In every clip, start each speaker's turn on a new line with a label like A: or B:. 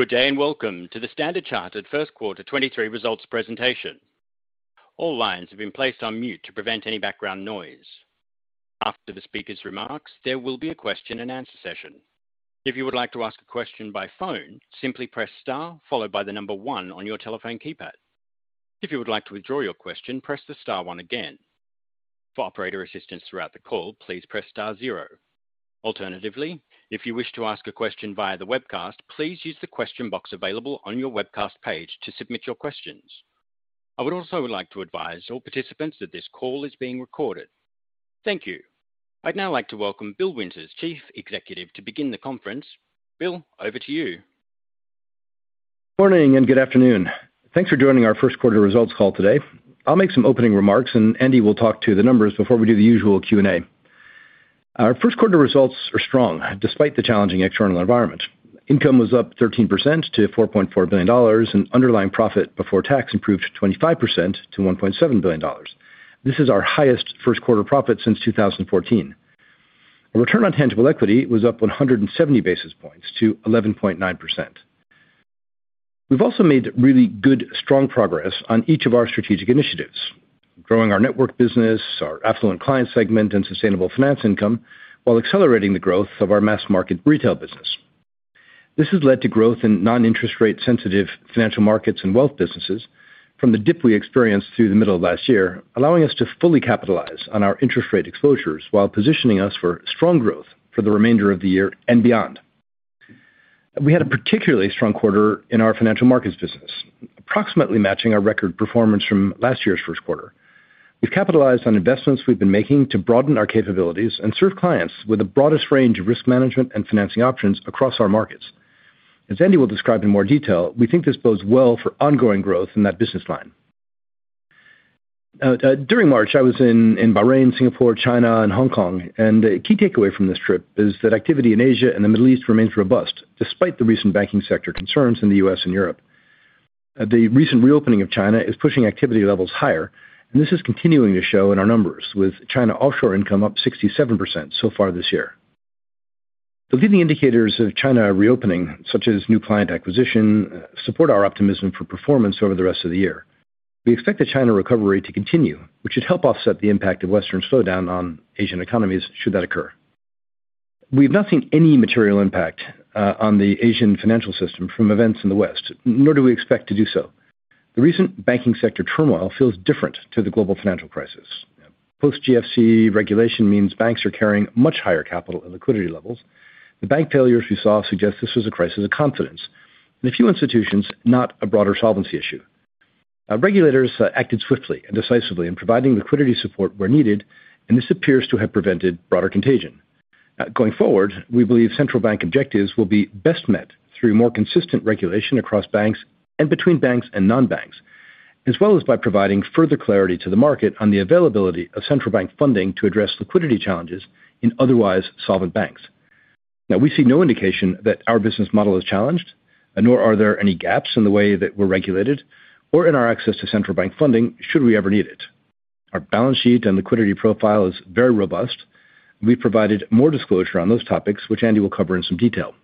A: Good day and welcome to the Standard Chartered First Quarter 2023 Results presentation. All lines have been placed on mute to prevent any background noise. After the speaker's remarks, there will be a question-and-answer session. If you would like to ask a question by phone, simply press star followed by the number one on your telephone keypad. If you would like to withdraw your question, press the star one again. For operator assistance throughout the call, please press star zero. Alternatively, if you wish to ask a question via the webcast, please use the question box available on your webcast page to submit your questions. I would also like to advise all participants that this call is being recorded. Thank you. I'd now like to welcome Bill Winters, Chief Executive, to begin the conference. Bill, over to you.
B: Morning, good afternoon. Thanks for joining our first quarter results call today. I'll make some opening remarks, Andy will talk to the numbers before we do the usual Q&A. Our first quarter results are strong despite the challenging external environment. Income was up 13% to $4.4 billion, underlying profit before tax improved 25% to $1.7 billion. This is our highest first quarter profit since 2014. Our return on tangible equity was up 170 basis points to 11.9%. We've also made really good, strong progress on each of our strategic initiatives, growing our network business, our affluent client segment and sustainable finance income, while accelerating the growth of our mass market retail business. This has led to growth in non-interest rate sensitive financial markets and wealth businesses from the dip we experienced through the middle of last year, allowing us to fully capitalize on our interest rate exposures while positioning us for strong growth for the remainder of the year and beyond. We had a particularly strong quarter in our financial markets business, approximately matching our record performance from last year's first quarter. We've capitalized on investments we've been making to broaden our capabilities and serve clients with the broadest range of risk management and financing options across our markets. As Andy will describe in more detail, we think this bodes well for ongoing growth in that business line. During March, I was in Bahrain, Singapore, China and Hong Kong. A key takeaway from this trip is that activity in Asia and the Middle East remains robust despite the recent banking sector concerns in the US and Europe. The recent reopening of China is pushing activity levels higher. This is continuing to show in our numbers, with China offshore income up 67% so far this year. The leading indicators of China reopening, such as new client acquisition, support our optimism for performance over the rest of the year. We expect the China recovery to continue, which should help offset the impact of Western slowdown on Asian economies should that occur. We've not seen any material impact on the Asian financial system from events in the West, nor do we expect to do so. The recent banking sector turmoil feels different to the global financial crisis. Post GFC regulation means banks are carrying much higher capital and liquidity levels. The bank failures we saw suggest this was a crisis of confidence in a few institutions, not a broader solvency issue. Our regulators acted swiftly and decisively in providing liquidity support where needed, and this appears to have prevented broader contagion. Going forward, we believe central bank objectives will be best met through more consistent regulation across banks and between banks and non-banks, as well as by providing further clarity to the market on the availability of central bank funding to address liquidity challenges in otherwise solvent banks. Now, we see no indication that our business model is challenged, and nor are there any gaps in the way that we're regulated or in our access to central bank funding should we ever need it. Our balance sheet and liquidity profile is very robust. We've provided more disclosure on those topics, which Andy will cover in some detail.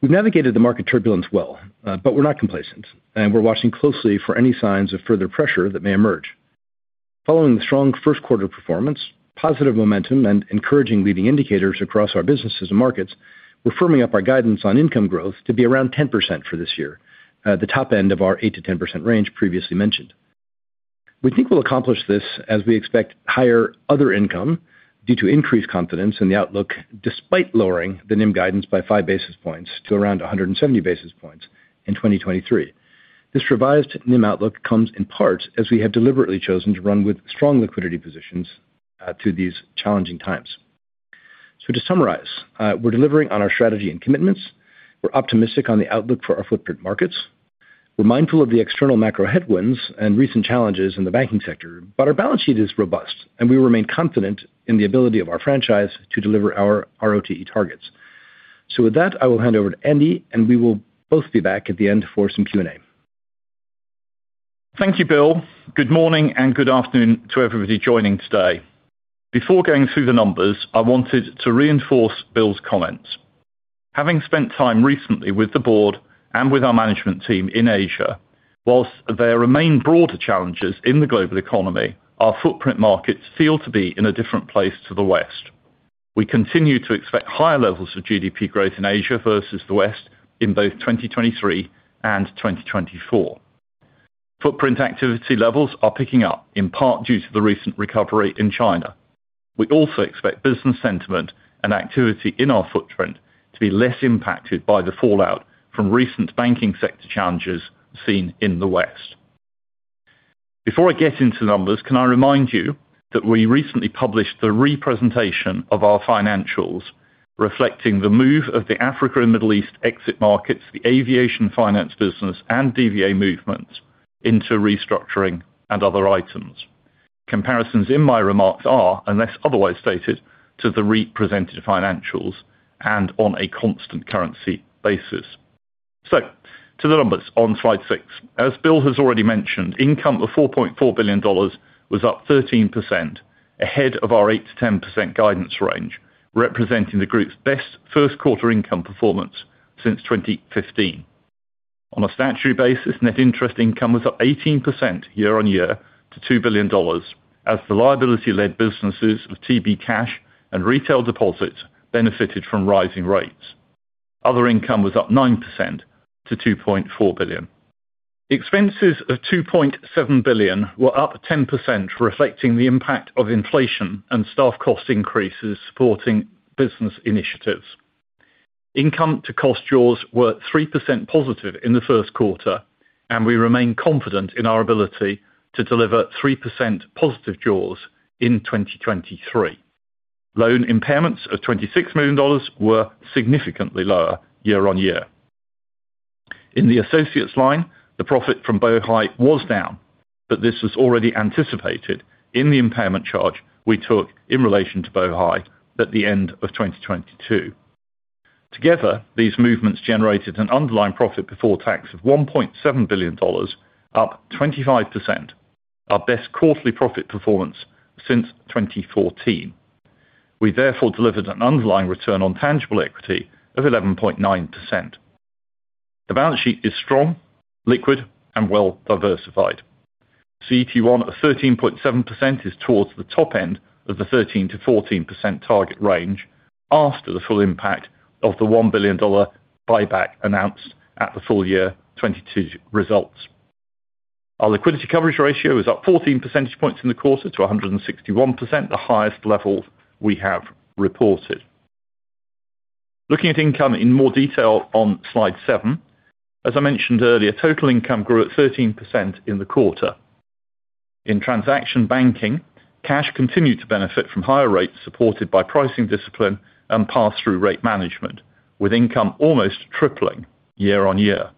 B: We've navigated the market turbulence well, but we're not complacent, and we're watching closely for any signs of further pressure that may emerge. Following the strong first quarter performance, positive momentum and encouraging leading indicators across our businesses and markets, we're firming up our guidance on income growth to be around 10% for this year, the top end of our 8%-10% range previously mentioned. We think we'll accomplish this as we expect higher other income due to increased confidence in the outlook, despite lowering the NIM guidance by 5 basis points to around 170 basis points in 2023. This revised NIM outlook comes in part as we have deliberately chosen to run with strong liquidity positions through these challenging times. To summarize, we're delivering on our strategy and commitments. We're optimistic on the outlook for our footprint markets. We're mindful of the external macro headwinds and recent challenges in the banking sector, but our balance sheet is robust and we remain confident in the ability of our franchise to deliver our ROTE targets. With that, I will hand over to Andy, and we will both be back at the end for some Q&A.
C: Thank you, Bill. Good morning and good afternoon to everybody joining today. Before going through the numbers, I wanted to reinforce Bill's comments. Having spent time recently with the board and with our management team in Asia, whilst there remain broader challenges in the global economy, our footprint markets feel to be in a different place to the West. We continue to expect higher levels of GDP growth in Asia versus the West in both 2023 and 2024. Footprint activity levels are picking up, in part due to the recent recovery in China. We also expect business sentiment and activity in our footprint to be less impacted by the fallout from recent banking sector challenges seen in the West. Before I get into the numbers, can I remind you that we recently published the representation of our financials, reflecting the move of the Africa and Middle East exit markets, the aviation finance business and DVA movement into restructuring and other items. Comparisons in my remarks are, unless otherwise stated, to the represented financials and on a constant currency basis. To the numbers on slide 6. As Bill has already mentioned, income of $4.4 billion was up 13% ahead of our 8%-10% guidance range, representing the group's best first quarter income performance since 2015. On a statutory basis, net interest income was up 18% year-on-year to $2 billion as the liability led businesses of TB Cash and retail deposits benefited from rising rates. Other income was up 9% to $2.4 billion. Expenses of $2.7 billion were up 10%, reflecting the impact of inflation and staff cost increases supporting business initiatives. Income-to-cost jaws were 3% positive in the first quarter. We remain confident in our ability to deliver 3% positive jaws in 2023. Loan impairments of $26 million were significantly lower year-on-year. In the associates line, the profit from Bohai was down, this was already anticipated in the impairment charge we took in relation to Bohai at the end of 2022. Together, these movements generated an underlying profit before tax of $1.7 billion, up 25%, our best quarterly profit performance since 2014. We therefore delivered an underlying return on tangible equity of 11.9%. The balance sheet is strong, liquid and well diversified. CET1 of 13.7% is towards the top end of the 13%-14% target range. After the full impact of the $1 billion buyback announced at the full year 2022 results. Our liquidity coverage ratio is up 14 percentage points in the quarter to 161%, the highest level we have reported. Looking at income in more detail on slide 7. As I mentioned earlier, total income grew at 13% in the quarter. In transaction banking, cash continued to benefit from higher rates, supported by pricing discipline and pass through rate management, with income almost tripling year-on-year.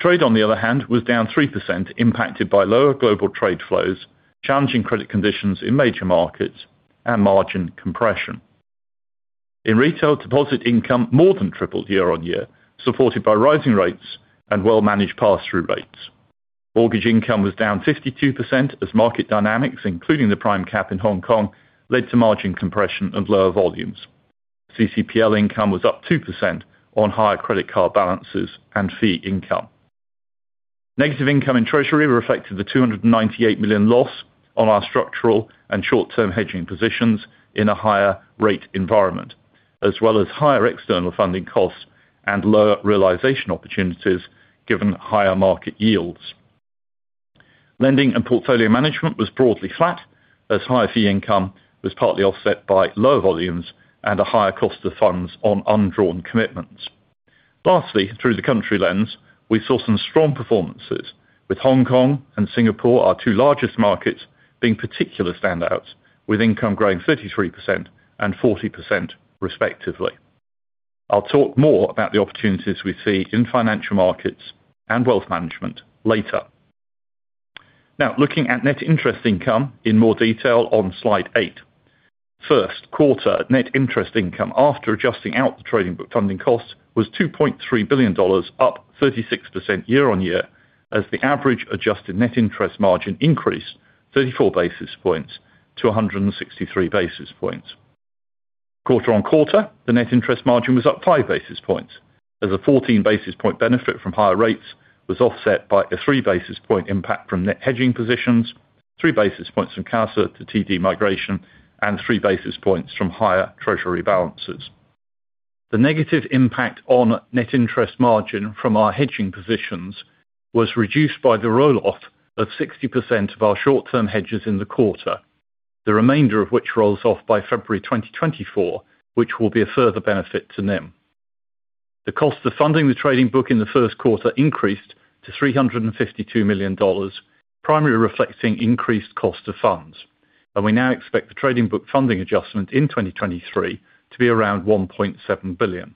C: Trade, on the other hand, was down 3% impacted by lower global trade flows, challenging credit conditions in major markets and margin compression. In retail, deposit income more than tripled year-on-year, supported by rising rates and well managed pass through rates. Mortgage income was down 52% as market dynamics, including the prime rate cap in Hong Kong, led to margin compression and lower volumes. CCPL income was up 2% on higher credit card balances and fee income. Negative income in treasury reflected the $298 million loss on our structural and short-term hedging positions in a higher rate environment, as well as higher external funding costs and lower realization opportunities, given higher market yields. Lending and portfolio management was broadly flat as higher fee income was partly offset by lower volumes and a higher cost of funds on undrawn commitments. Lastly, through the country lens, we saw some strong performances with Hong Kong and Singapore, our two largest markets being particular standouts, with income growing 33% and 40% respectively. I'll talk more about the opportunities we see in financial markets and wealth management later. Looking at net interest income in more detail on slide 8. First quarter net interest income after adjusting out the trading book funding cost was $2.3 billion, up 36% year-on-year, as the average adjusted net interest margin increased 34 basis points to 163 basis points. Quarter-on-quarter, the net interest margin was up 5 basis points as a 14 basis point benefit from higher rates was offset by a 3 basis point impact from net hedging positions, 3 basis points from CASA-to-time deposit migration and 3 basis points from higher treasury balances. The negative impact on net interest margin from our hedging positions was reduced by the roll off of 60% of our short-term hedges in the quarter, the remainder of which rolls off by February 2024, which will be a further benefit to NIM. The cost of funding the trading book in the first quarter increased to $352 million, primarily reflecting increased cost of funds. We now expect the trading book funding adjustment in 2023 to be around $1.7 billion.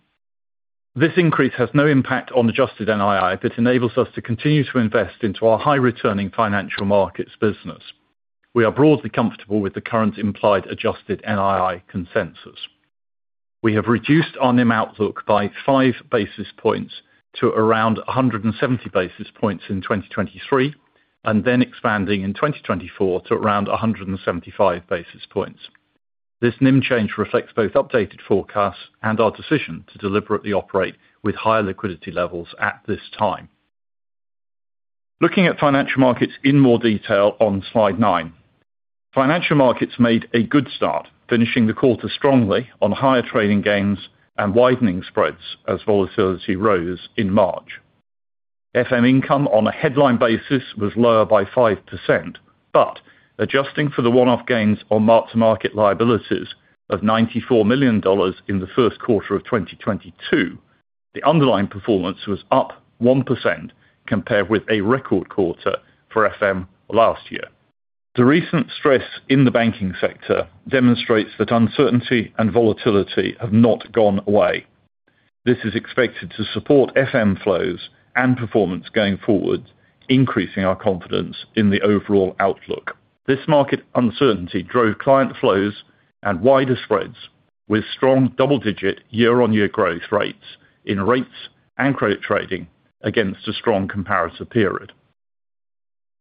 C: This increase has no impact on adjusted NII but enables us to continue to invest into our high returning financial markets business. We are broadly comfortable with the current implied adjusted NII consensus. We have reduced our NIM outlook by 5 basis points to around 170 basis points in 2023, and then expanding in 2024 to around 175 basis points. This NIM change reflects both updated forecasts and our decision to deliberately operate with higher liquidity levels at this time. Looking at financial markets in more detail on slide 9. Financial markets made a good start finishing the quarter strongly on higher trading gains and widening spreads as volatility rose in March. FM income on a headline basis was lower by 5%. Adjusting for the one-off gains on mark to market liabilities of $94 million in the first quarter of 2022, the underlying performance was up 1% compared with a record quarter for FM last year. The recent stress in the banking sector demonstrates that uncertainty and volatility have not gone away. This is expected to support FM flows and performance going forward, increasing our confidence in the overall outlook. This market uncertainty drove client flows and wider spreads. With strong double-digit year-on-year growth rates in rates and credit trading against a strong comparator period.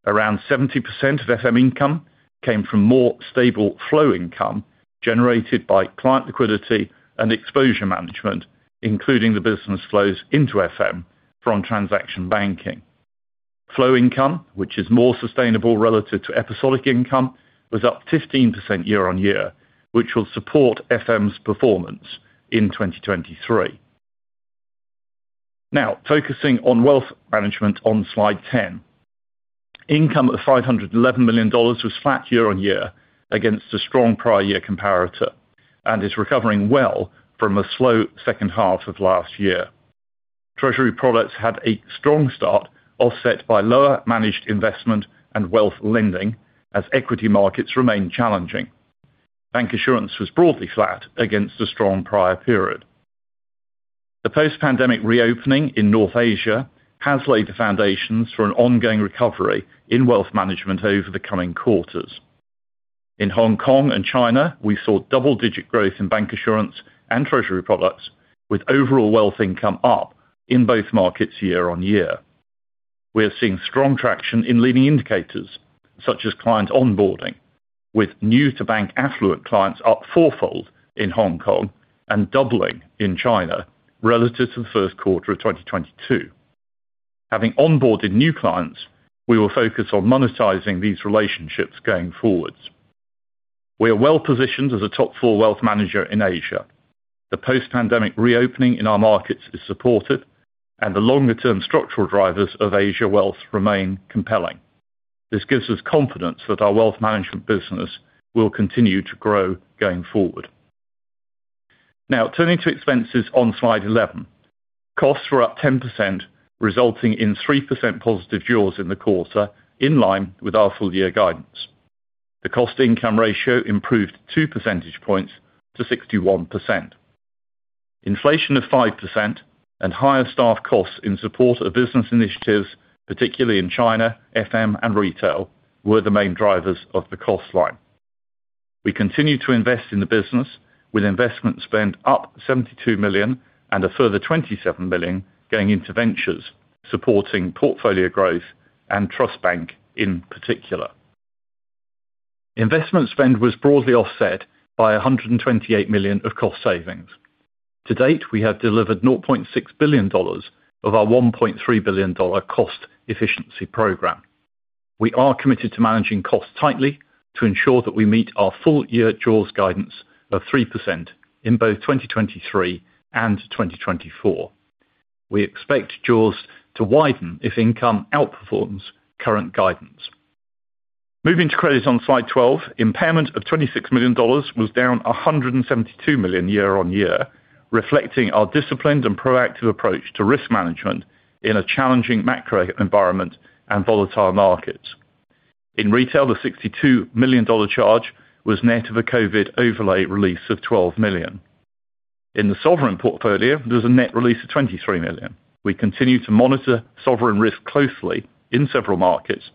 C: Around 70% of FM income came from more stable flow income generated by client liquidity and exposure management, including the business flows into FM from transaction banking. Flow income, which is more sustainable relative to episodic income, was up 15% year-on-year, which will support FM's performance in 2023. Now focusing on wealth management on slide 10. Income of $511 million was flat year-on-year against a strong prior year comparator and is recovering well from a slow second half of last year. Treasury products had a strong start offset by lower managed investment and wealth lending as equity markets remain challenging. Bank assurance was broadly flat against a strong prior period. The post-pandemic reopening in North Asia has laid the foundations for an ongoing recovery in wealth management over the coming quarters. In Hong Kong and China, we saw double-digit growth in bancassurance and treasury products, with overall wealth income up in both markets year-on-year. We are seeing strong traction in leading indicators such as client onboarding, with new to bank affluent clients up four-fold in Hong Kong and doubling in China relative to the first quarter of 2022. Having onboarded new clients, we will focus on monetizing these relationships going forwards. We are well positioned as a top four wealth manager in Asia. The post-pandemic reopening in our markets is supported and the longer term structural drivers of Asia wealth remain compelling. This gives us confidence that our wealth management business will continue to grow going forward. Turning to expenses on slide 11. Costs were up 10%, resulting in 3% positive jaws in the quarter, in line with our full year guidance. The cost income ratio improved 2 percentage points to 61%. Inflation of 5% and higher staff costs in support of business initiatives, particularly in China, FM, and retail, were the main drivers of the cost line. We continue to invest in the business with investment spend up $72 million and a further $27 million going into ventures supporting portfolio growth and Trust Bank in particular. Investment spend was broadly offset by $128 million of cost savings. To date, we have delivered $0.6 billion of our $1.3 billion cost efficiency program. We are committed to managing costs tightly to ensure that we meet our full year jaws guidance of 3% in both 2023 and 2024. We expect jaws to widen if income outperforms current guidance. Moving to credit on slide 12. Impairment of $26 million was down $172 million year-on-year, reflecting our disciplined and proactive approach to risk management in a challenging macro environment and volatile markets. In retail, the $62 million charge was net of a Covid overlay release of $12 million. In the sovereign portfolio, there was a net release of $23 million. We continue to monitor sovereign risk closely in several markets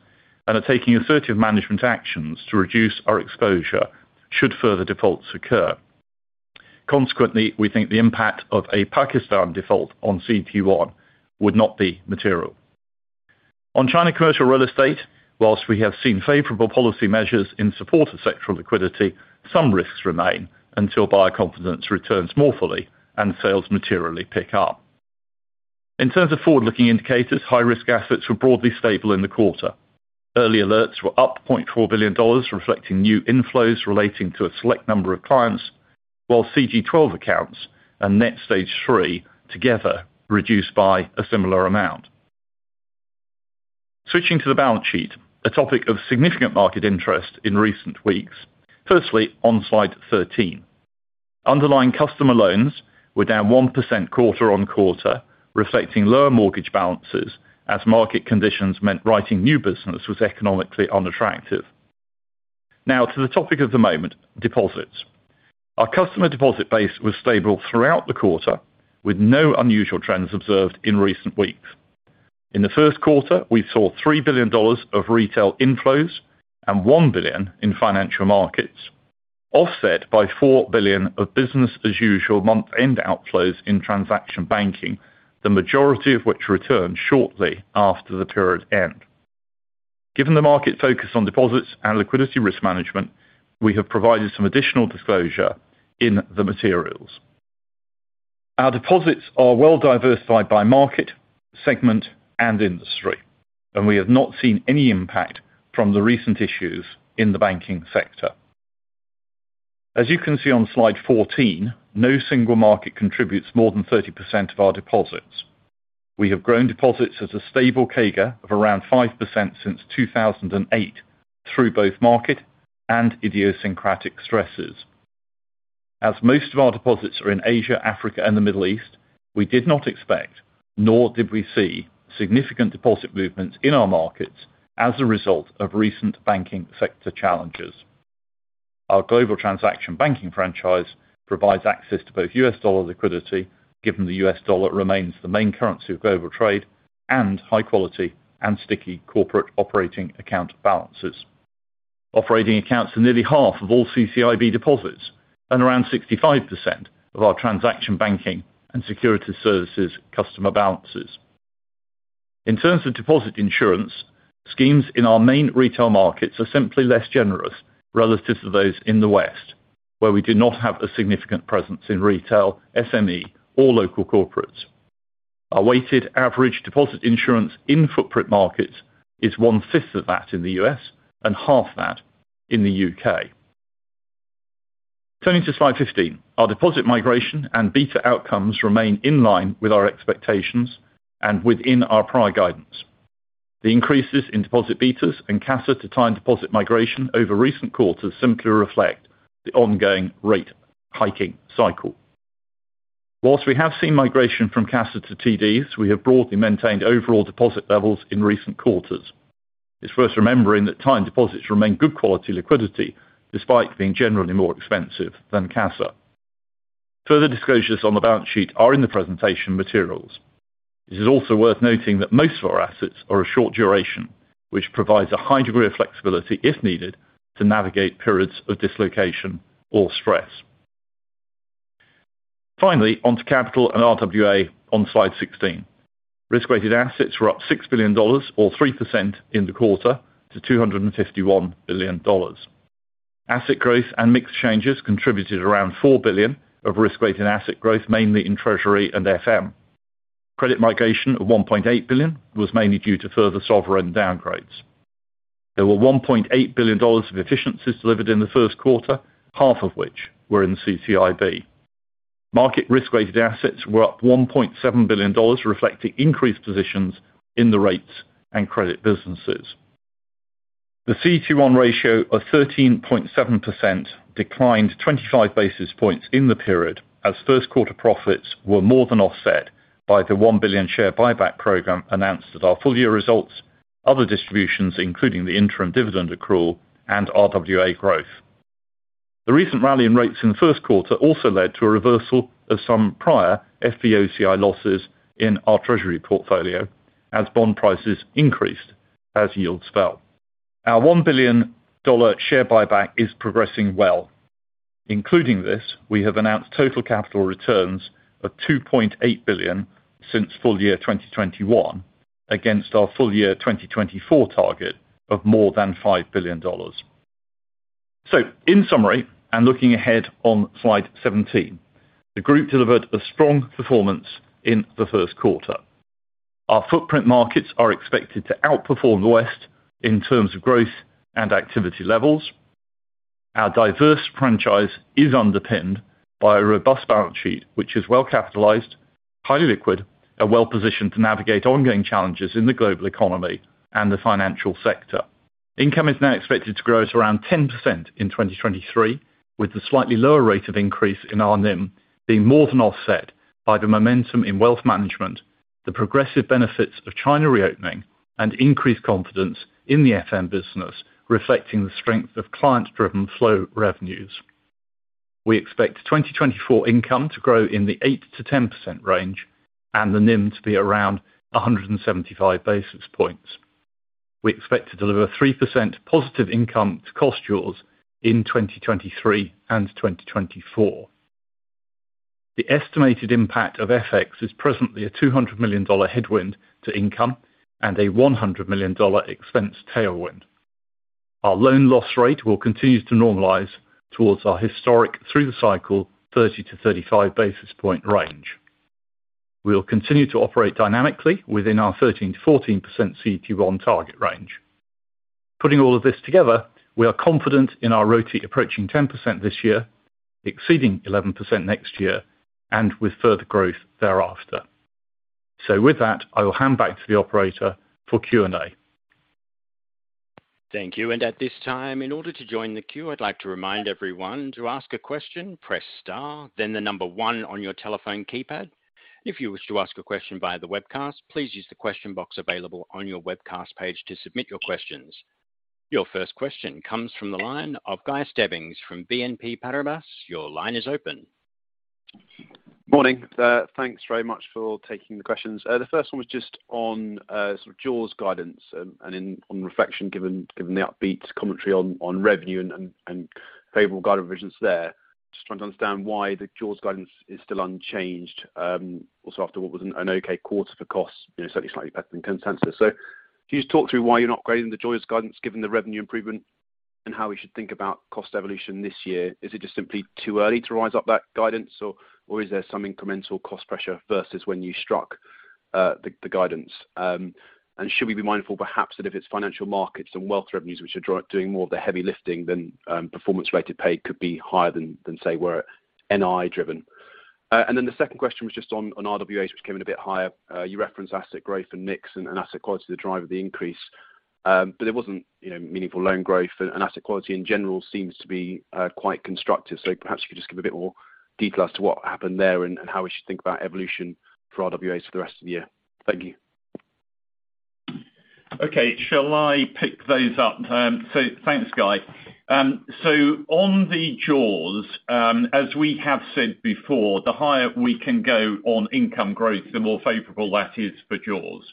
C: and are taking assertive management actions to reduce our exposure should further defaults occur. Consequently, we think the impact of a Pakistan default on CET1 would not be material. On China commercial real estate, whilst we have seen favorable policy measures in support of sectoral liquidity, some risks remain until buyer confidence returns more fully and sales materially pick up. In terms of forward-looking indicators, high risk assets were broadly stable in the quarter. Early alerts were up $0.4 billion, reflecting new inflows relating to a select number of clients, while CG12 accounts and net Stage 3 together reduced by a similar amount. Switching to the balance sheet, a topic of significant market interest in recent weeks. Firstly, on slide 13. Underlying customer loans were down 1% quarter-on-quarter, reflecting lower mortgage balances as market conditions meant writing new business was economically unattractive. Now to the topic of the moment, deposits. Our customer deposit base was stable throughout the quarter, with no unusual trends observed in recent weeks. In the first quarter, we saw $3 billion of retail inflows and $1 billion in financial markets, offset by $4 billion of business as usual month-end outflows in transaction banking, the majority of which returned shortly after the period end. Given the market focus on deposits and liquidity risk management, we have provided some additional disclosure in the materials. Our deposits are well diversified by market, segment, and industry, and we have not seen any impact from the recent issues in the banking sector. As you can see on slide 14, no single market contributes more than 30% of our deposits. We have grown deposits at a stable CAGR of around 5% since 2008 through both market and idiosyncratic stresses. As most of our deposits are in Asia, Africa, and the Middle East, we did not expect nor did we see significant deposit movements in our markets as a result of recent banking sector challenges. Our global transaction banking franchise provides access to both US dollar liquidity, given the US dollar remains the main currency of global trade and high quality and sticky corporate operating account balances. Operating accounts for nearly half of all CCIB deposits and around 65% of our transaction banking and security services customer balances. In terms of deposit insurance, schemes in our main retail markets are simply less generous relative to those in the West, where we do not have a significant presence in retail, SME or local corporates. Our weighted average deposit insurance in footprint markets is one-fifth of that in the U.S. and half that in the U.K. Turning to slide 15. Our deposit migration and beta outcomes remain in line with our expectations and within our prior guidance. The increases in deposit betas and CASA to time deposit migration over recent quarters simply reflect the ongoing rate hiking cycle. Whilst we have seen migration from CASA to TDs, we have broadly maintained overall deposit levels in recent quarters. It's worth remembering that time deposits remain good quality liquidity despite being generally more expensive than CASA. Further disclosures on the balance sheet are in the presentation materials. It is also worth noting that most of our assets are of short duration, which provides a high degree of flexibility, if needed, to navigate periods of dislocation or stress. Finally, onto capital and RWA on slide 16. Risk-weighted assets were up $6 billion or 3% in the quarter to $251 billion. Asset growth and mix changes contributed around $4 billion of risk-weighted asset growth, mainly in treasury and FM. Credit migration of $1.8 billion was mainly due to further sovereign downgrades. There were $1.8 billion of efficiencies delivered in the first quarter, half of which were in CCIB. Market risk-weighted assets were up $1.7 billion, reflecting increased positions in the rates and credit businesses. The CET1 ratio of 13.7% declined 25 basis points in the period as first quarter profits were more than offset by the $1 billion share buyback program announced at our full-year results, other distributions, including the interim dividend accrual and RWA growth. The recent rally in rates in the first quarter also led to a reversal of some prior FVOCI losses in our treasury portfolio as bond prices increased as yields fell. Our $1 billion share buyback is progressing well. Including this, we have announced total capital returns of $2.8 billion since full year 2021, against our full year 2024 target of more than $5 billion. In summary, and looking ahead on slide 17, the group delivered a strong performance in the first quarter. Our footprint markets are expected to outperform the West in terms of growth and activity levels. Our diverse franchise is underpinned by a robust balance sheet, which is well capitalized, highly liquid, and well-positioned to navigate ongoing challenges in the global economy and the financial sector. Income is now expected to grow at around 10% in 2023, with the slightly lower rate of increase in our NIM being more than offset by the momentum in wealth management, the progressive benefits of China reopening, and increased confidence in the FM business, reflecting the strength of client-driven flow revenues. We expect 2024 income to grow in the 8%-10% range and the NIM to be around 175 basis points. We expect to deliver 3% positive income to cost jaws in 2023 and 2024. The estimated impact of FX is presently a $200 million headwind to income and a $100 million expense tailwind. Our loan loss rate will continue to normalize towards our historic through the cycle 30-35 basis point range. We will continue to operate dynamically within our 13%-14% CET1 target range. Putting all of this together, we are confident in our ROTE approaching 10% this year, exceeding 11% next year, and with further growth thereafter. With that, I will hand back to the operator for Q&A.
A: Thank you. At this time, in order to join the queue, I'd like to remind everyone to ask a question, press star then 1 on your telephone keypad. If you wish to ask a question via the webcast, please use the question box available on your webcast page to submit your questions. Your first question comes from the line of Guy Stebbings from BNP Paribas. Your line is open.
D: Morning. Thanks very much for taking the questions. The first one was just on sort of jaws guidance and on reflection, given the upbeat commentary on revenue and favorable guidance there. Just trying to understand why the jaws guidance is still unchanged, also after what was an okay quarter for costs, you know, certainly slightly better than consensus. Can you just talk through why you're not grading the jaws guidance given the revenue improvement and how we should think about cost evolution this year? Is it just simply too early to rise up that guidance or is there some incremental cost pressure versus when you struck the guidance? Should we be mindful perhaps that if it's financial markets and wealth revenues which are doing more of the heavy lifting then performance related pay could be higher than say were NI driven? The second question was just on RWAs, which came in a bit higher. You referenced asset growth and mix and asset quality, the driver of the increase. It wasn't, you know, meaningful loan growth and asset quality in general seems to be quite constructive. Perhaps you could just give a bit more detail as to what happened there and how we should think about evolution for RWAs for the rest of the year? Thank you.
C: Okay. Shall I pick those up? Thanks, Guy. On the jaws, as we have said before, the higher we can go on income growth, the more favorable that is for jaws.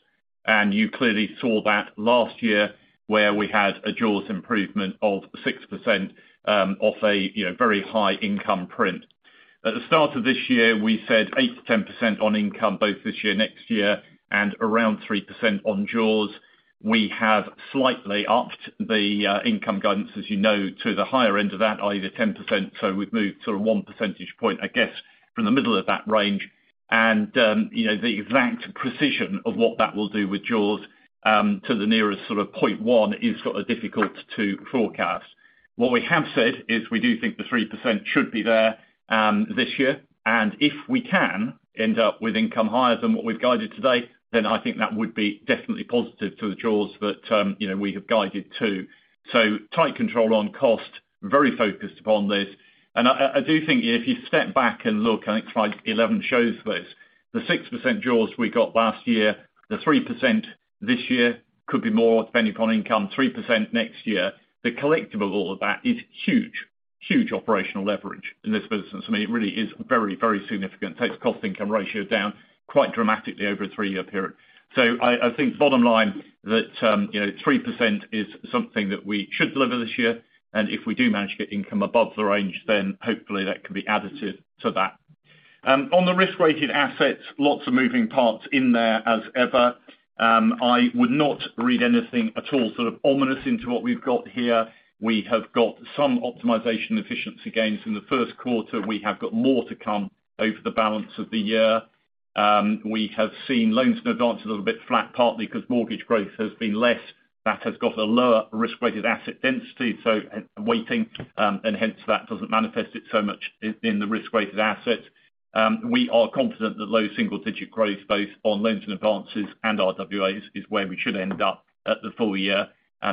C: You clearly saw that last year where we had a jaws improvement of 6%, off a, you know, very high income print. At the start of this year, we said 8%-10% on income both this year, next year, and around 3% on jaws. We have slightly upped the income guidance, as you know, to the higher end of that, i.e., the 10%. We've moved sort of 1 percentage point, I guess, from the middle of that range. You know, the exact precision of what that will do with jaws, to the nearest sort of 0.1 is sort of difficult to forecast. What we have said is we do think the 3% should be there, this year. If we can end up with income higher than what we've guided today, then I think that would be definitely positive to the jaws that, you know, we have guided to. Tight control on cost, very focused upon this. I do think if you step back and look, I think slide 11 shows this. The 6% jaws we got last year, the 3% this year could be more depending upon income, 3% next year. The collective of all of that is huge. Huge operational leverage in this business. I mean, it really is very, very significant. Takes cost income ratio down quite dramatically over a 3-year period. I think bottom line that, you know, 3% is something that we should deliver this year. If we do manage to get income above the range, then hopefully that can be additive to that. On the risk-weighted assets, lots of moving parts in there as ever. I would not read anything at all sort of ominous into what we've got here. We have got some optimization efficiency gains from the first quarter. We have got more to come over the balance of the year. We have seen loans and advances a little bit flat, partly 'cause mortgage growth has been less. That has got a lower risk-weighted asset density, so waiting, and hence that doesn't manifest it so much in the risk-weighted assets. We are confident that low single digit growth, both on loans and advances and RWAs is where we should end up at the full year,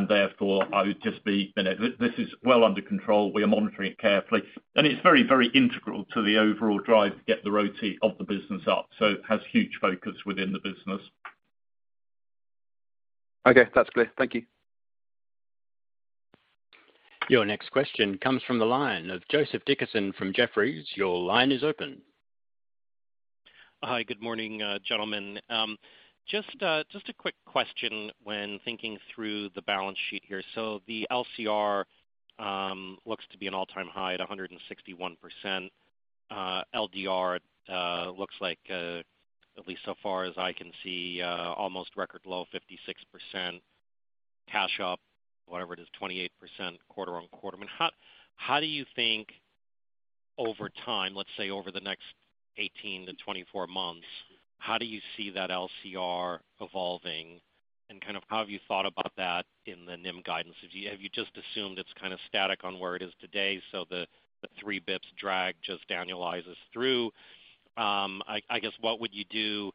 C: therefore I would just be, you know. This is well under control. We are monitoring it carefully. It's very, very integral to the overall drive to get the ROTI of the business up, so it has huge focus within the business.
D: Okay, that's clear. Thank you.
A: Your next question comes from the line of Joseph Dickerson from Jefferies. Your line is open.
E: Hi, good morning, gentlemen. Just a quick question when thinking through the balance sheet here. The LCR looks to be an all-time high at 161%. LDR looks like, at least so far as I can see, almost record low 56%. Cash up, whatever it is, 28% quarter-on-quarter. I mean, how do you think over time, let's say over the next 18-24 months, how do you see that LCR evolving and kind of how have you thought about that in the NIM guidance? Have you just assumed it's kind of static on where it is today, so the three bits drag just annualizes through? I guess, what would you do,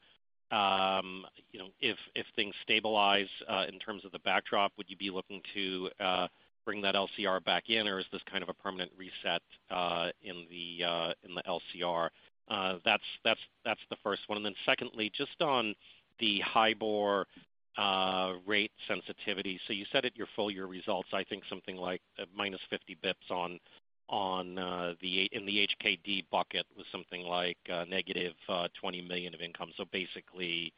E: you know, if things stabilize in terms of the backdrop? Would you be looking to bring that LCR back in, or is this kind of a permanent reset in the LCR? That's the first one. Secondly, just on the HIBOR rate sensitivity. You said at your full year results, I think something like a minus 50 basis points on the in the HKD bucket was something like negative 20 million of income. Basically,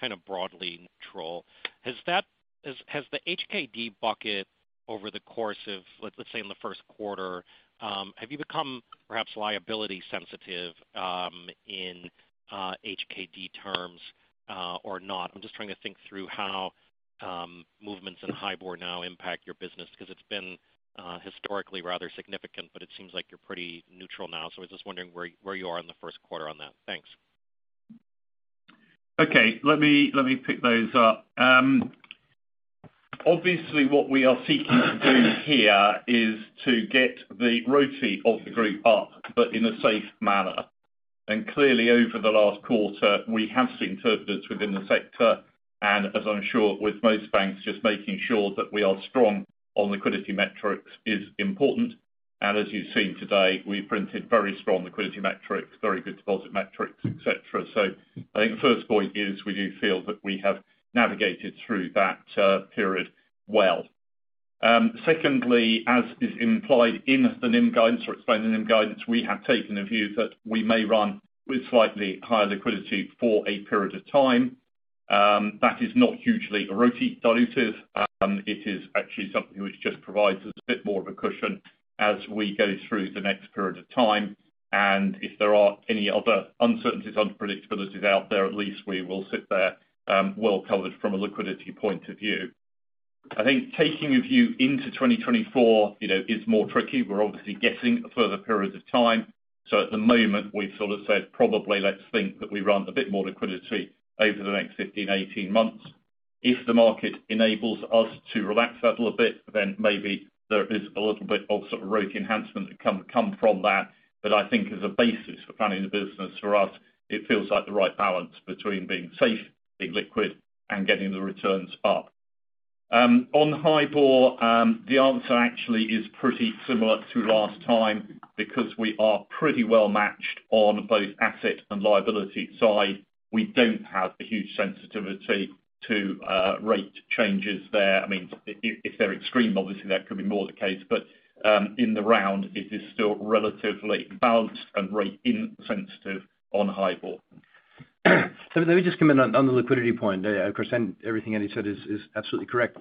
E: kind of broadly neutral. Has the HKD bucket over the course of, let's say in the first quarter, have you become perhaps liability sensitive in HKD terms, or not? I'm just trying to think through how movements in HIBOR now impact your business because it's been historically rather significant, but it seems like you're pretty neutral now. I'm just wondering where you are in the first quarter on that. Thanks.
C: Okay. Let me pick those up. Obviously what we are seeking to do here is to get the ROTI of the group up, but in a safe manner. Clearly, over the last quarter, we have seen turbulence within the sector, as I'm sure with most banks, just making sure that we are strong on liquidity metrics is important. As you've seen today, we printed very strong liquidity metrics, very good deposit metrics, et cetera. I think first point is we do feel that we have navigated through that period well. Secondly, as is implied in the NIM guidance or explained in the NIM guidance, we have taken a view that we may run with slightly higher liquidity for a period of time. That is not hugely ROTI dilutive. It is actually something which just provides us a bit more of a cushion as we go through the next period of time. If there are any other uncertainties, unpredictabilities out there, at least we will sit there, well covered from a liquidity point of view. I think taking a view into 2024, you know, is more tricky. We're obviously guessing further periods of time. At the moment we've sort of said probably let's think that we run a bit more liquidity over the next 15, 18 months. If the market enables us to relax that a little bit, then maybe there is a little bit of sort of ROTI enhancement come from that. I think as a basis for planning the business for us, it feels like the right balance between being safe, being liquid, and getting the returns up. On HIBOR, the answer actually is pretty similar to last time because we are pretty well matched on both asset and liability side. We don't have a huge sensitivity to rate changes there. I mean, if they're extreme, obviously that could be more the case. In the round, it is still relatively balanced and rate insensitive on HIBOR.
B: Let me just come in on the liquidity point. Of course, everything Andy said is absolutely correct.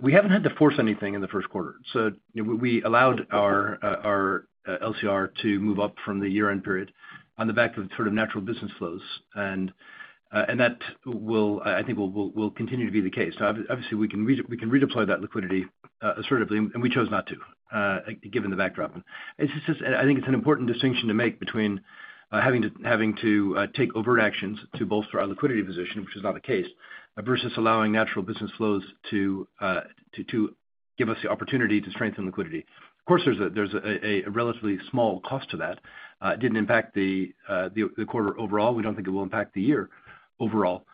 B: We haven't had to force anything in the first quarter. You know, we allowed our LCR to move up from the year-end period on the back of sort of natural business flows. That will. I think will continue to be the case. Obviously, we can redeploy that liquidity assertively, and we chose not to, given the backdrop. It's just I think it's an important distinction to make between having to take overt actions to bolster our liquidity position, which is not the case, versus allowing natural business flows to give us the opportunity to strengthen liquidity. Of course, there's a relatively small cost to that. It didn't impact the quarter overall. We don't think it will impact the year overall.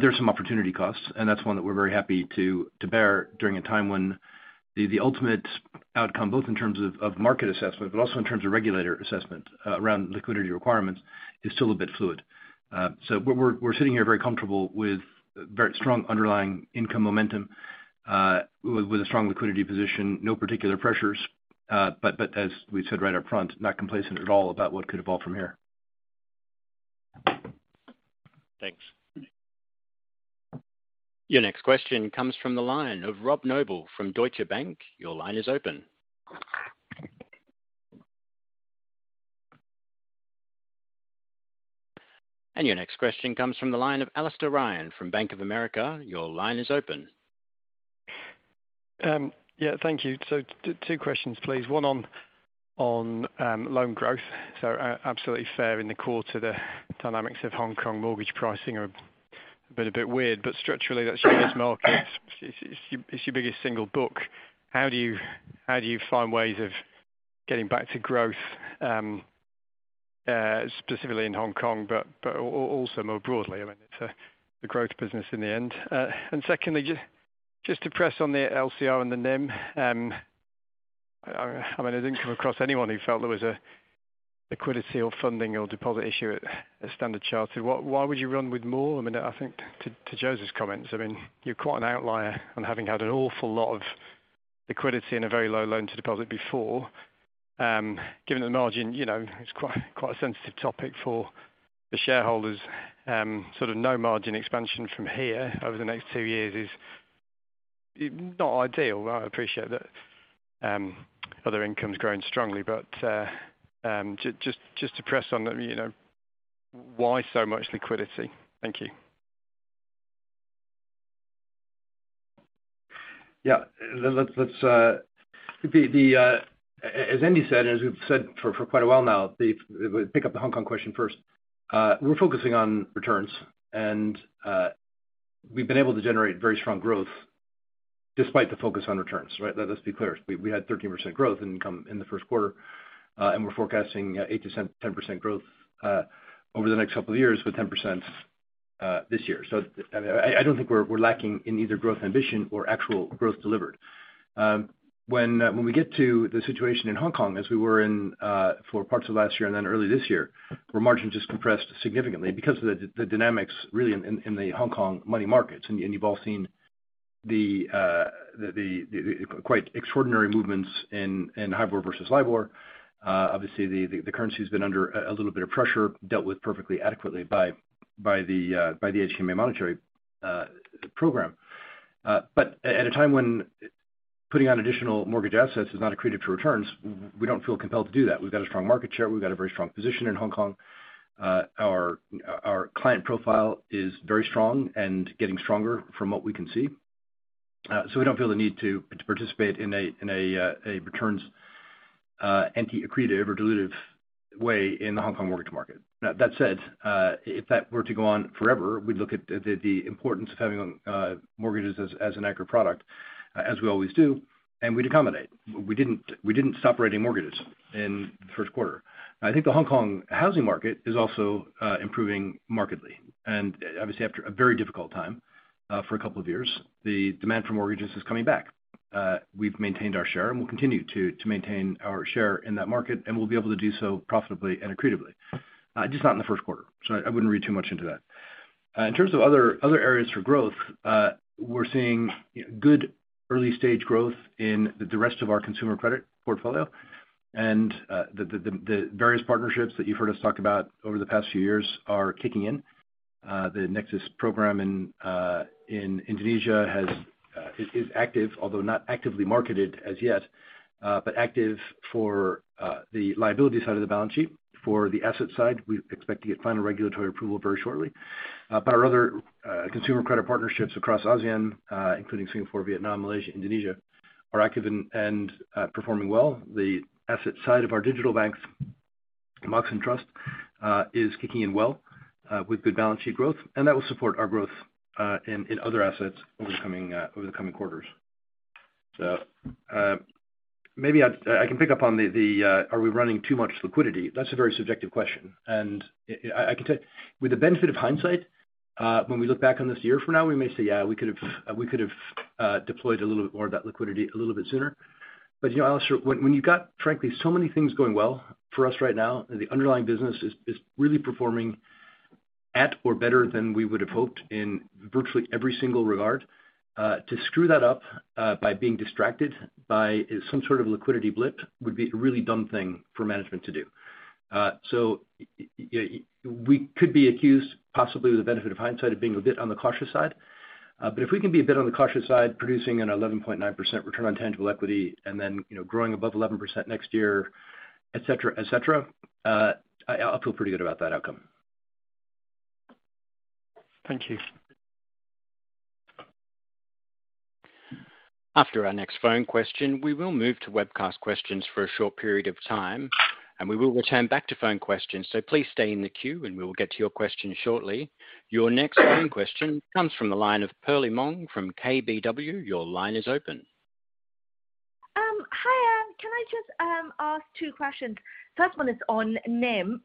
B: There's some opportunity costs, and that's one that we're very happy to bear during a time when the ultimate outcome, both in terms of market assessment, but also in terms of regulator assessment, around liquidity requirements, is still a bit fluid. We're sitting here very comfortable with very strong underlying income momentum, with a strong liquidity position, no particular pressures, but as we said right up front, not complacent at all about what could evolve from here.
E: Thanks.
A: Your next question comes from the line of Robert Noble from Deutsche Bank. Your line is open. Your next question comes from the line of Alastair Ryan from Bank of America. Your line is open.
F: Yeah, thank you. 2 questions, please. One on loan growth. Absolutely fair in the core to the dynamics of Hong Kong mortgage pricing are, been a bit weird, but structurally that's your biggest market. It's your biggest single book. How do you find ways of getting back to growth specifically in Hong Kong, but also more broadly? I mean, it's the growth business in the end. Secondly, just to press on the LCR and the NIM. I mean, I didn't come across anyone who felt there was a liquidity or funding or deposit issue at Standard Chartered. Why would you run with more? I mean, I think to Joseph's comments, I mean, you're quite an outlier on having had an awful lot of liquidity and a very low loan to deposit before. Given the margin, you know, it's quite a sensitive topic for the shareholders. Sort of no margin expansion from here over the next two years is not ideal. I appreciate that, other income's growing strongly. Just to press on, you know, why so much liquidity? Thank you.
B: Yeah. Let's, let's, as Andy said, as we've said for quite a while now, pick up the Hong Kong question first. We're focusing on returns and we've been able to generate very strong growth despite the focus on returns, right? Let's be clear. We had 13% growth in income in the first quarter, and we're forecasting 8%-10% growth over the next couple of years, with 10% this year. I don't think we're lacking in either growth ambition or actual growth delivered. When we get to the situation in Hong Kong as we were in, for parts of last year and early this year, where margins just compressed significantly because of the dynamics really in the Hong Kong money markets. You, you've all seen the quite extraordinary movements in HIBOR versus LIBOR. Obviously the currency's been under a little bit of pressure, dealt with perfectly adequately by the HKMA monetary program. At a time when putting on additional mortgage assets is not accretive to returns, we don't feel compelled to do that. We've got a strong market share. We've got a very strong position in Hong Kong. Our client profile is very strong and getting stronger from what we can see. We don't feel the need to participate in a returns anti-accretive or dilutive way in the Hong Kong mortgage market. That said, if that were to go on forever, we'd look at the importance of having mortgages as an anchor product, as we always do, and we'd accommodate. We didn't stop writing mortgages in the first quarter. I think the Hong Kong housing market is also improving markedly. Obviously, after a very difficult time, for a couple of years, the demand for mortgages is coming back. We've maintained our share and will continue to maintain our share in that market, and we'll be able to do so profitably and accretively, just not in the first quarter. I wouldn't read too much into that. In terms of other areas for growth, we're seeing good early stage growth in the rest of our consumer credit portfolio. The various partnerships that you've heard us talk about over the past few years are kicking in. The Nexus program in Indonesia has active, although not actively marketed as yet, but active for the liability side of the balance sheet. For the asset side, we expect to get final regulatory approval very shortly. But our other consumer credit partnerships across ASEAN, including Singapore, Vietnam, Malaysia, Indonesia, are active and performing well. The asset side of our digital bank, Mox in Trust, is kicking in well with good balance sheet growth, and that will support our growth in other assets over the coming over the coming quarters. Maybe I can pick up on the are we running too much liquidity? That's a very subjective question. I can tell you with the benefit of hindsight, when we look back on this year from now, we may say, yeah, we could have deployed a little bit more of that liquidity a little bit sooner.
C: You know, Alastair, when you've got, frankly, so many things going well for us right now, and the underlying business is really performing at or better than we would have hoped in virtually every single regard, to screw that up by being distracted by some sort of liquidity blip would be a really dumb thing for management to do. We could be accused possibly with the benefit of hindsight of being a bit on the cautious side. If we can be a bit on the cautious side, producing an 11.9% return on tangible equity and then, you know, growing above 11% next year, et cetera, et cetera, I'll feel pretty good about that outcome.
F: Thank you.
A: After our next phone question, we will move to webcast questions for a short period of time, and we will return back to phone questions. Please stay in the queue, and we will get to your question shortly. Your next phone question comes from the line of Perlie Mong from KBW. Your line is open.
G: Hi. Can I just ask two questions? First one is on NIM.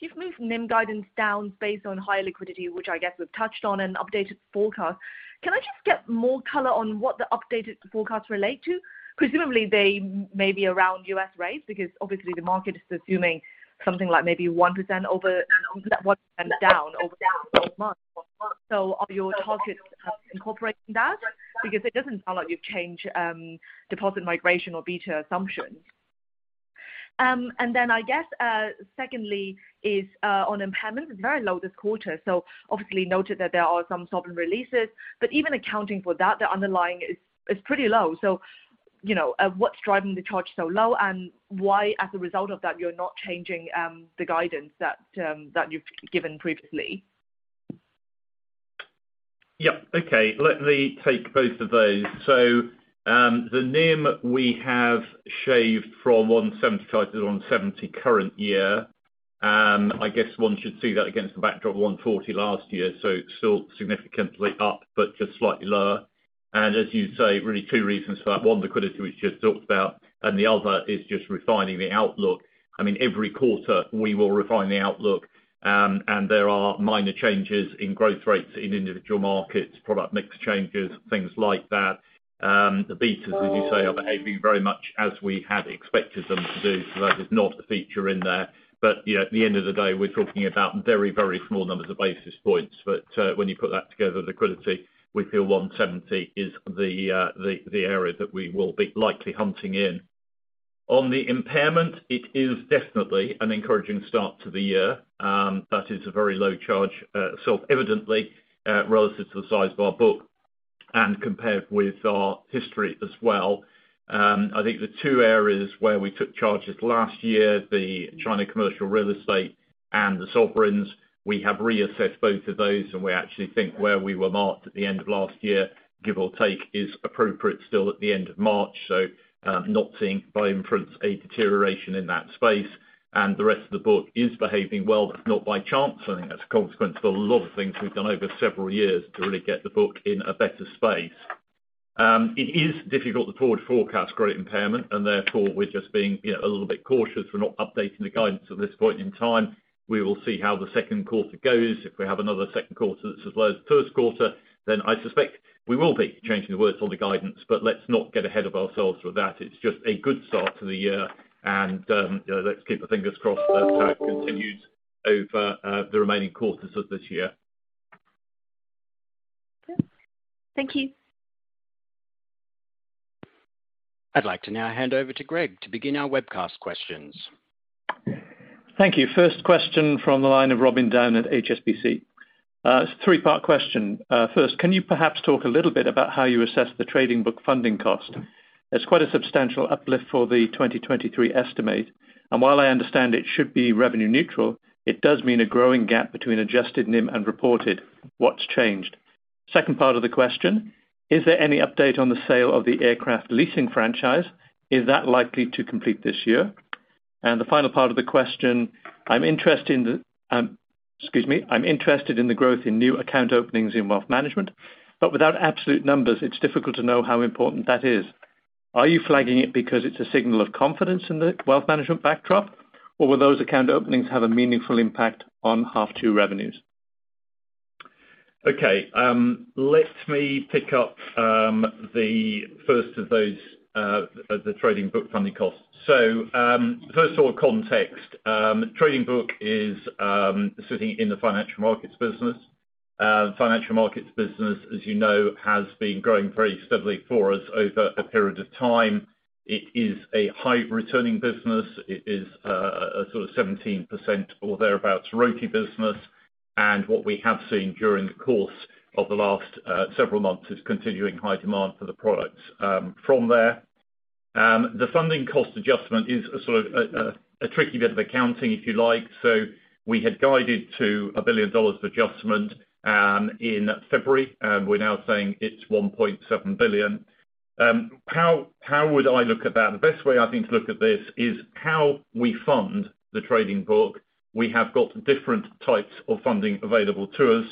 G: You've moved NIM guidance down based on high liquidity, which I guess we've touched on, and updated forecast. Can I just get more color on what the updated forecasts relate to? Presumably, they may be around US rates because obviously the market is assuming something like maybe 1% over that 1 and down over the month. Are your targets incorporating that? Because it doesn't sound like you've changed deposit migration or beta assumptions. I guess, secondly is on impairment. It's very low this quarter, so obviously noted that there are some sovereign releases, but even accounting for that, the underlying is pretty low. you know, what's driving the charge so low and why, as a result of that, you're not changing, the guidance that you've given previously?
C: Okay. Let me take both of those. The NIM we have shaved from 175 to 170 current year, I guess one should see that against the backdrop of 140 last year. Still significantly up, but just slightly lower. As you say, really 2 reasons for that. One, liquidity, which you've talked about, and the other is just refining the outlook. I mean, every quarter we will refine the outlook, and there are minor changes in growth rates in individual markets, product mix changes, things like that. The betas, as you say, are behaving very much as we had expected them to do. That is not a feature in there. Yeah, at the end of the day, we're talking about very, very small numbers of basis points. When you put that together with liquidity, we feel 170 is the area that we will be likely hunting in. On the impairment, it is definitely an encouraging start to the year, that is a very low charge, so evidently, relative to the size of our book and compared with our history as well. I think the two areas where we took charges last year, the China Commercial Real Estate and the sovereigns, we have reassessed both of those, and we actually think where we were marked at the end of last year, give or take, is appropriate still at the end of March. Not seeing by inference a deterioration in that space. The rest of the book is behaving well, but not by chance. I think that's a consequence of a lot of things we've done over several years to really get the book in a better space. It is difficult to forward forecast credit impairment, and therefore we're just being, you know, a little bit cautious. We're not updating the guidance at this point in time. We will see how the second quarter goes. If we have another second quarter that's as low as the first quarter, then I suspect we will be changing the words on the guidance. Let's not get ahead of ourselves with that. It's just a good start to the year and, let's keep our fingers crossed that that continues over the remaining quarters of this year.
G: Thank you.
A: I'd like to now hand over to Greg to begin our webcast questions.
H: Thank you. First question from the line of Robin Down at HSBC. It's a three-part question. First, can you perhaps talk a little bit about how you assess the trading book funding cost? There's quite a substantial uplift for the 2023 estimate, while I understand it should be revenue neutral, it does mean a growing gap between adjusted NIM and reported. What's changed? Second part of the question, is there any update on the sale of the aircraft leasing franchise? Is that likely to complete this year? The final part of the question, I'm interested in the, excuse me. I'm interested in the growth in new account openings in wealth management, without absolute numbers, it's difficult to know how important that is. Are you flagging it because it's a signal of confidence in the wealth management backdrop, or will those account openings have a meaningful impact on half 2 revenues?
C: Okay. Let me pick up the first of those, the trading book funding costs. First of all, context. Trading book is sitting in the Financial Markets business. Financial Markets business, as you know, has been growing very steadily for us over a period of time. It is a high returning business. It is a sort of 17% or thereabout ROIC business. What we have seen during the course of the last several months is continuing high demand for the products from there. The funding cost adjustment is a sort of a tricky bit of accounting, if you like. We had guided to $1 billion of adjustment in February, and we're now saying it's $1.7 billion. How would I look at that? The best way I think to look at this is how we fund the trading book. We have got different types of funding available to us.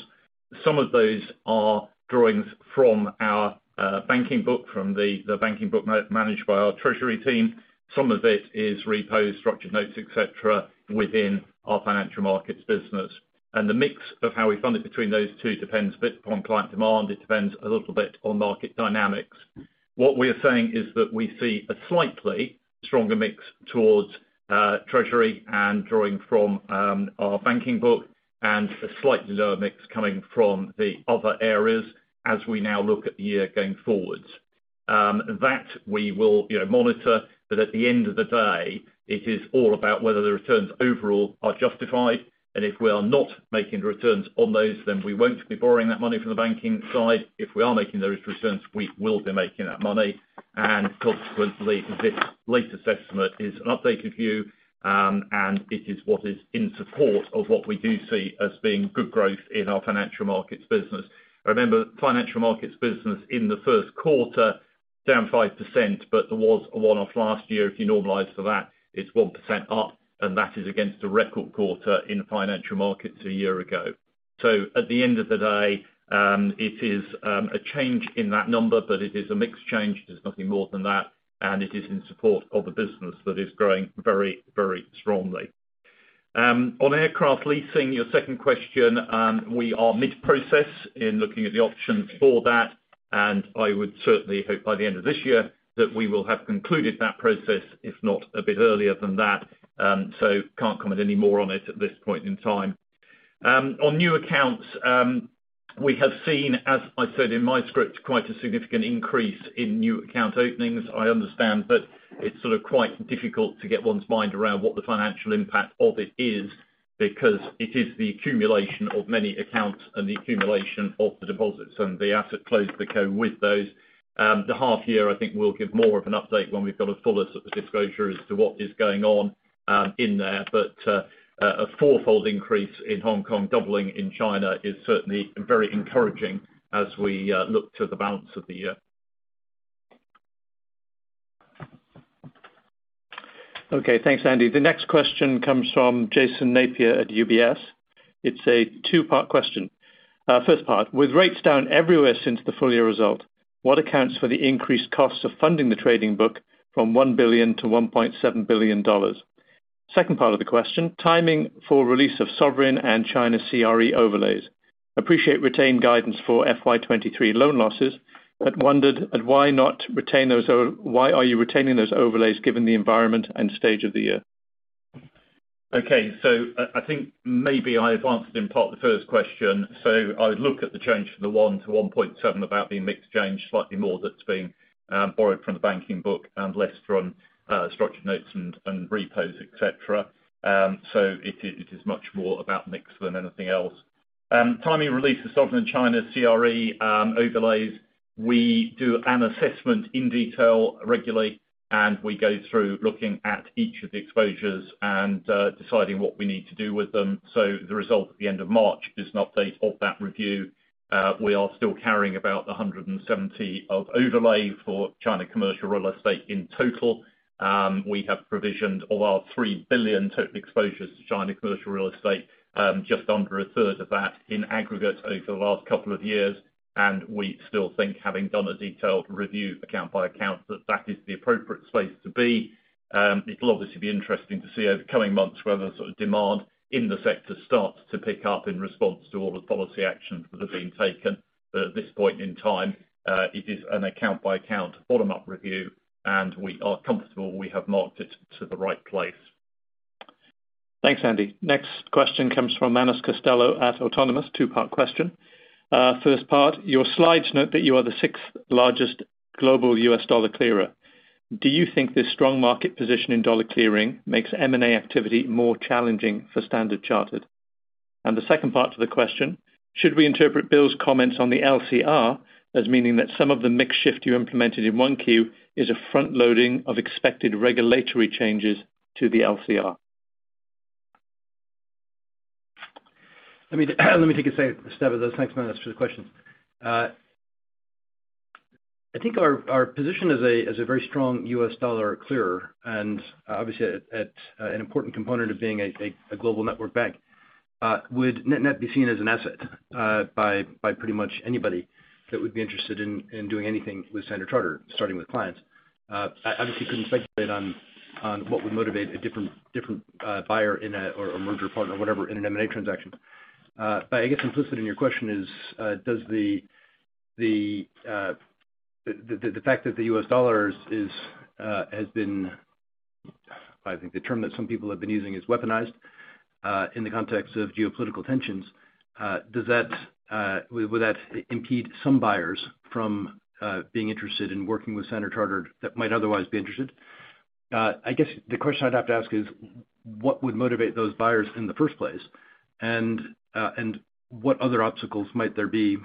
C: Some of those are drawings from our banking book, from the banking book managed by our treasury team. Some of it is repos, structured notes, et cetera, within our financial markets business. The mix of how we fund it between those two depends a bit upon client demand. It depends a little bit on market dynamics. What we are saying is that we see a slightly stronger mix towards treasury and drawing from our banking book and a slightly lower mix coming from the other areas as we now look at the year going forward. That we will, you know, monitor. At the end of the day, it is all about whether the returns overall are justified, and if we are not making the returns on those, then we won't be borrowing that money from the banking side. If we are making those returns, we will be making that money. Consequently, this latest estimate is an updated view, and it is what is in support of what we do see as being good growth in our financial markets business. Remember, financial markets business in the first quarter down 5%, but there was a one-off last year. If you normalize for that, it's 1% up, and that is against a record quarter in financial markets a year ago. At the end of the day, it is a change in that number, but it is a mixed change. It is nothing more than that, and it is in support of a business that is growing very, very strongly. On aircraft leasing, your second question, we are mid-process in looking at the options for that, and I would certainly hope by the end of this year that we will have concluded that process, if not a bit earlier than that, can't comment any more on it at this point in time. On new accounts, we have seen, as I said in my script, quite a significant increase in new account openings. I understand that it's sort of quite difficult to get one's mind around what the financial impact of it is because it is the accumulation of many accounts and the accumulation of the deposits and the assets associated with those accounts. The half year, I think we'll give more of an update when we've got a fullest of the disclosure as to what is going on in there. A four-fold increase in Hong Kong, doubling in China is certainly very encouraging as we look to the balance of the year.
H: Okay. Thanks, Andy. The next question comes from Jason Napier at UBS. It's a two-part question. First part: With rates down everywhere since the full year result, what accounts for the increased cost of funding the trading book from $1 billion to $1.7 billion? Second part of the question, timing for release of sovereign and China CRE overlays? Appreciate retained guidance for FY 2023 loan losses, but wondered at why are you retaining those overlays given the environment and stage of the year?
C: I think maybe I've answered in part the first question. I would look at the change from the 1 to 1.7 about the mix change slightly more that's being borrowed from the banking book and less from structured notes and repos, et cetera. It is much more about mix than anything else. Timing release of Sovereign China CRE overlays, we do an assessment in detail regularly, we go through looking at each of the exposures and deciding what we need to do with them. The result at the end of March is an update of that review. We are still carrying about 170 of overlay for China Commercial Real Estate in total. We have provisioned of our $3 billion total exposures to China Commercial Real Estate, just under a third of that in aggregate over the last couple of years. We still think, having done a detailed review account by account, that that is the appropriate space to be. It'll obviously be interesting to see over the coming months whether sort of demand in the sector starts to pick up in response to all the policy actions that have been taken. At this point in time, it is an account by account bottom-up review, and we are comfortable we have marked it to the right place.
H: Thanks, Andy. Next question comes from Manus Costello at Autonomous. Two-part question. first part, your slides note that you are the sixth largest global U.S. dollar clearer. Do you think this strong market position in dollar clearing makes M&A activity more challenging for Standard Chartered? The second part to the question, should we interpret Bill's comments on the LCR as meaning that some of the mix shift you implemented in 1 Q is a front-loading of expected regulatory changes to the LCR?
B: Let me take a sec, Steph. Thanks, Manus, for the questions. I think our position as a very strong U.S. dollar clearer, and obviously at an important component of being a global network bank, would not be seen as an asset by pretty much anybody that would be interested in doing anything with Standard Chartered, starting with clients. I obviously couldn't speculate on what would motivate a different buyer or a merger partner, whatever, in an M&A transaction. I guess implicit in your question is, does the fact that the US dollar is, has been, I think the term that some people have been using is weaponized, in the context of geopolitical tensions, would that impede some buyers from being interested in working with Standard Chartered that might otherwise be interested? I guess the question I'd have to ask is, what would motivate those buyers in the first place? What other obstacles might there be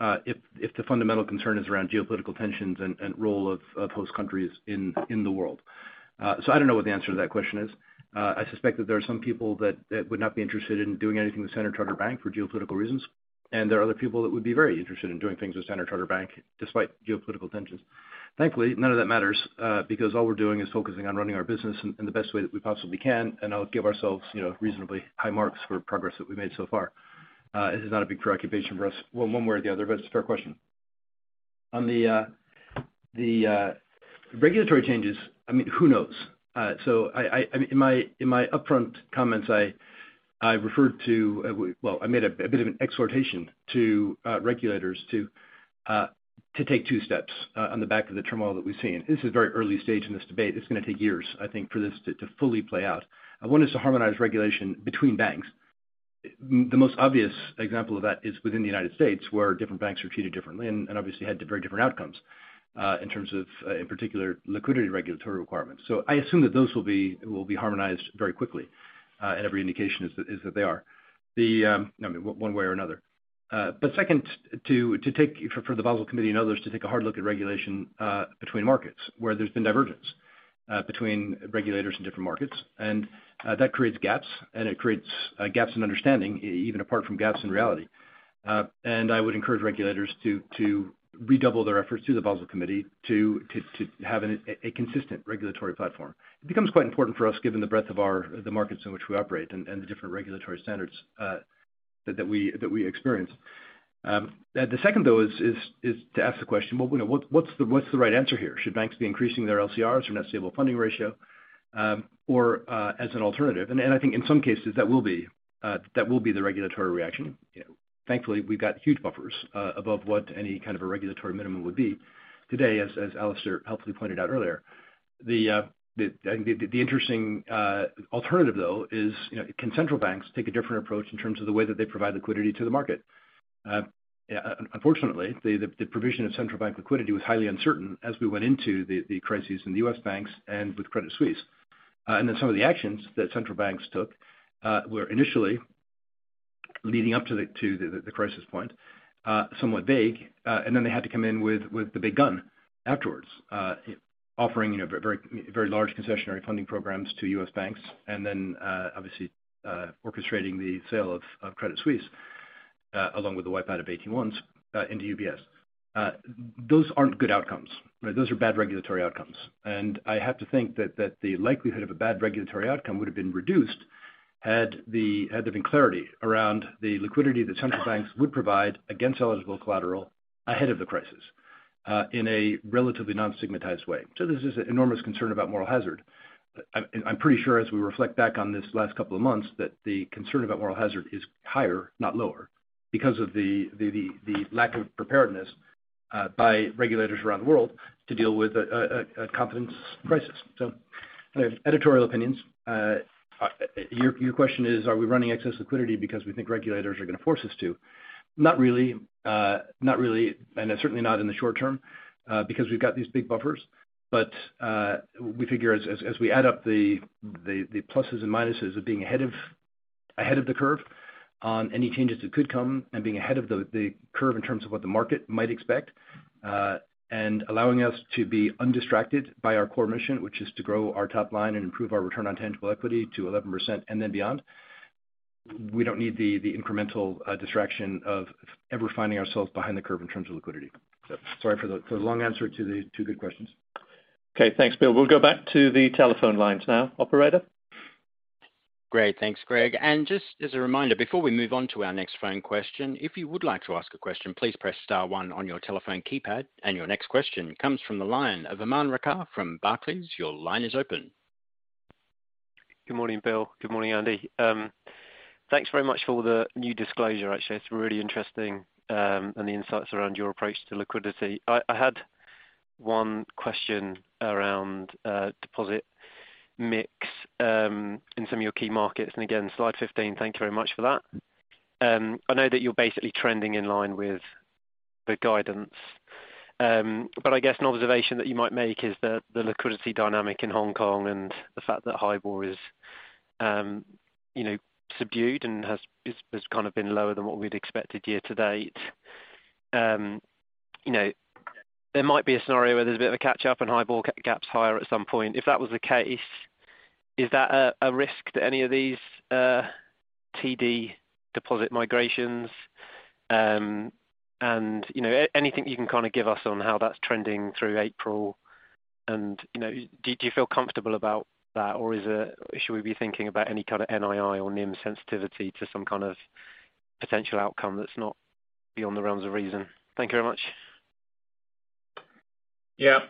B: if the fundamental concern is around geopolitical tensions and role of host countries in the world? I don't know what the answer to that question is. I suspect that there are some people that would not be interested in doing anything with Standard Chartered Bank for geopolitical reasons. There are other people that would be very interested in doing things with Standard Chartered Bank despite geopolitical tensions. Thankfully, none of that matters because all we're doing is focusing on running our business in the best way that we possibly can. I'll give ourselves, you know, reasonably high marks for progress that we've made so far. It is not a big preoccupation for us, one way or the other, but it's a fair question. On the regulatory changes, I mean, who knows? In my upfront comments, I referred to, well, I made a bit of an exhortation to regulators to take 2 steps on the back of the turmoil that we've seen. This is very early stage in this debate. It's gonna take years, I think, for this to fully play out. One is to harmonize regulation between banks. The most obvious example of that is within the United States, where different banks are treated differently and obviously had very different outcomes in terms of in particular liquidity regulatory requirements. I assume that those will be harmonized very quickly. Every indication is that they are. The, I mean, one way or another. But second to take for the Basel Committee and others to take a hard look at regulation, between markets where there's been divergence, between regulators in different markets. That creates gaps, and it creates gaps in understanding even apart from gaps in reality. And I would encourage regulators to redouble their efforts to the Basel Committee to have a consistent regulatory platform. It becomes quite important for us, given the breadth of the markets in which we operate and the different regulatory standards that we experience. The second though is to ask the question, well, you know, what's the right answer here? Should banks be increasing their LCRs or Net Stable Funding Ratio, or as an alternative? I think in some cases that will be the regulatory reaction. You know, thankfully, we've got huge buffers above what any kind of a regulatory minimum would be today, as Alastair helpfully pointed out earlier. I think the interesting alternative though is, you know, can central banks take a different approach in terms of the way that they provide liquidity to the market? Unfortunately, the provision of central bank liquidity was highly uncertain as we went into the crises in the U.S. banks and with Credit Suisse. Some of the actions that central banks took were initially leading up to the crisis point, somewhat vague. Then they had to come in with the big gun afterwards, offering, you know, very, very large concessionary funding programs to U.S. banks. Then obviously orchestrating the sale of Credit Suisse along with the wipe out of AT1s into UBS. Those aren't good outcomes, right? Those are bad regulatory outcomes. I have to think that the likelihood of a bad regulatory outcome would have been reduced had there been clarity around the liquidity that central banks would provide against eligible collateral ahead of the crisis in a relatively non-stigmatized way. This is an enormous concern about moral hazard. I'm, and I'm pretty sure as we reflect back on this last couple of months, that the concern about moral hazard is higher, not lower, because of the lack of preparedness by regulators around the world to deal with a competence crisis. Editorial opinions. Your question is, are we running excess liquidity because we think regulators are gonna force us to? Not really. Not really, and certainly not in the short term, because we've got these big buffers. We figure as we add up the pluses and minuses of being ahead of the curve on any changes that could come and being ahead of the curve in terms of what the market might expect and allowing us to be undistracted by our core mission, which is to grow our top line and improve our return on tangible equity to 11% and then beyond. We don't need the incremental distraction of ever finding ourselves behind the curve in terms of liquidity. Sorry for the long answer to the two good questions.
H: Okay, thanks, Bill. We'll go back to the telephone lines now. Operator?
A: Great. Thanks, Greg. Just as a reminder, before we move on to our next phone question, if you would like to ask a question, please press star one on your telephone keypad. Your next question comes from the line of Aman Rakkar from Barclays. Your line is open.
I: Good morning, Bill. Good morning, Andy. Thanks very much for the new disclosure. Actually, it's really interesting, and the insights around your approach to liquidity. I had one question around deposit mix in some of your key markets. Again, slide 15, thank you very much for that. I know that you're basically trending in line with the guidance. I guess an observation that you might make is the liquidity dynamic in Hong Kong and the fact that HIBOR is, you know, subdued and has kind of been lower than what we'd expected year to date. You know, there might be a scenario where there's a bit of a catch up and HIBOR gaps higher at some point. If that was the case, is that a risk to any of these TD deposit migrations? You know, anything you can kind of give us on how that's trending through April? You know, do you feel comfortable about that, or is there, should we be thinking about any kind of NII or NIM sensitivity to some kind of potential outcome that's not beyond the realms of reason? Thank you very much.
C: Yeah.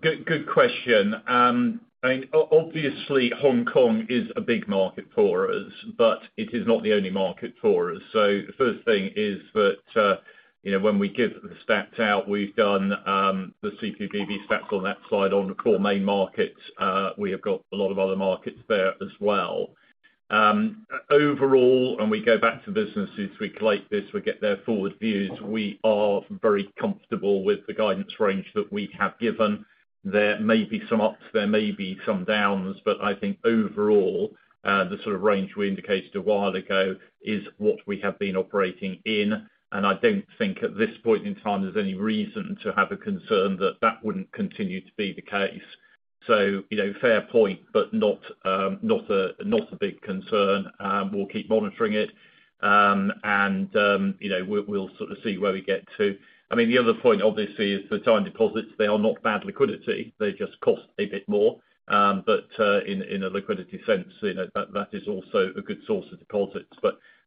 C: Good question. I mean, obviously Hong Kong is a big market for us, but it is not the only market for us. The first thing is that, you know, when we give the stats out, we've done the CPDB stats on that slide on the core main markets. We have got a lot of other markets there as well. Overall, we go back to businesses, we collate this, we get their forward views, we are very comfortable with the guidance range that we have given. There may be some ups, there may be some downs, but I think overall, the sort of range we indicated a while ago is what we have been operating in. I don't think at this point in time there's any reason to have a concern that that wouldn't continue to be the case. You know, fair point, but not a big concern. We'll keep monitoring it. And, you know, we'll sort of see where we get to. I mean, the other point obviously is for time deposits, they are not bad liquidity. They just cost a bit more. But, in a liquidity sense, you know, that is also a good source of deposits.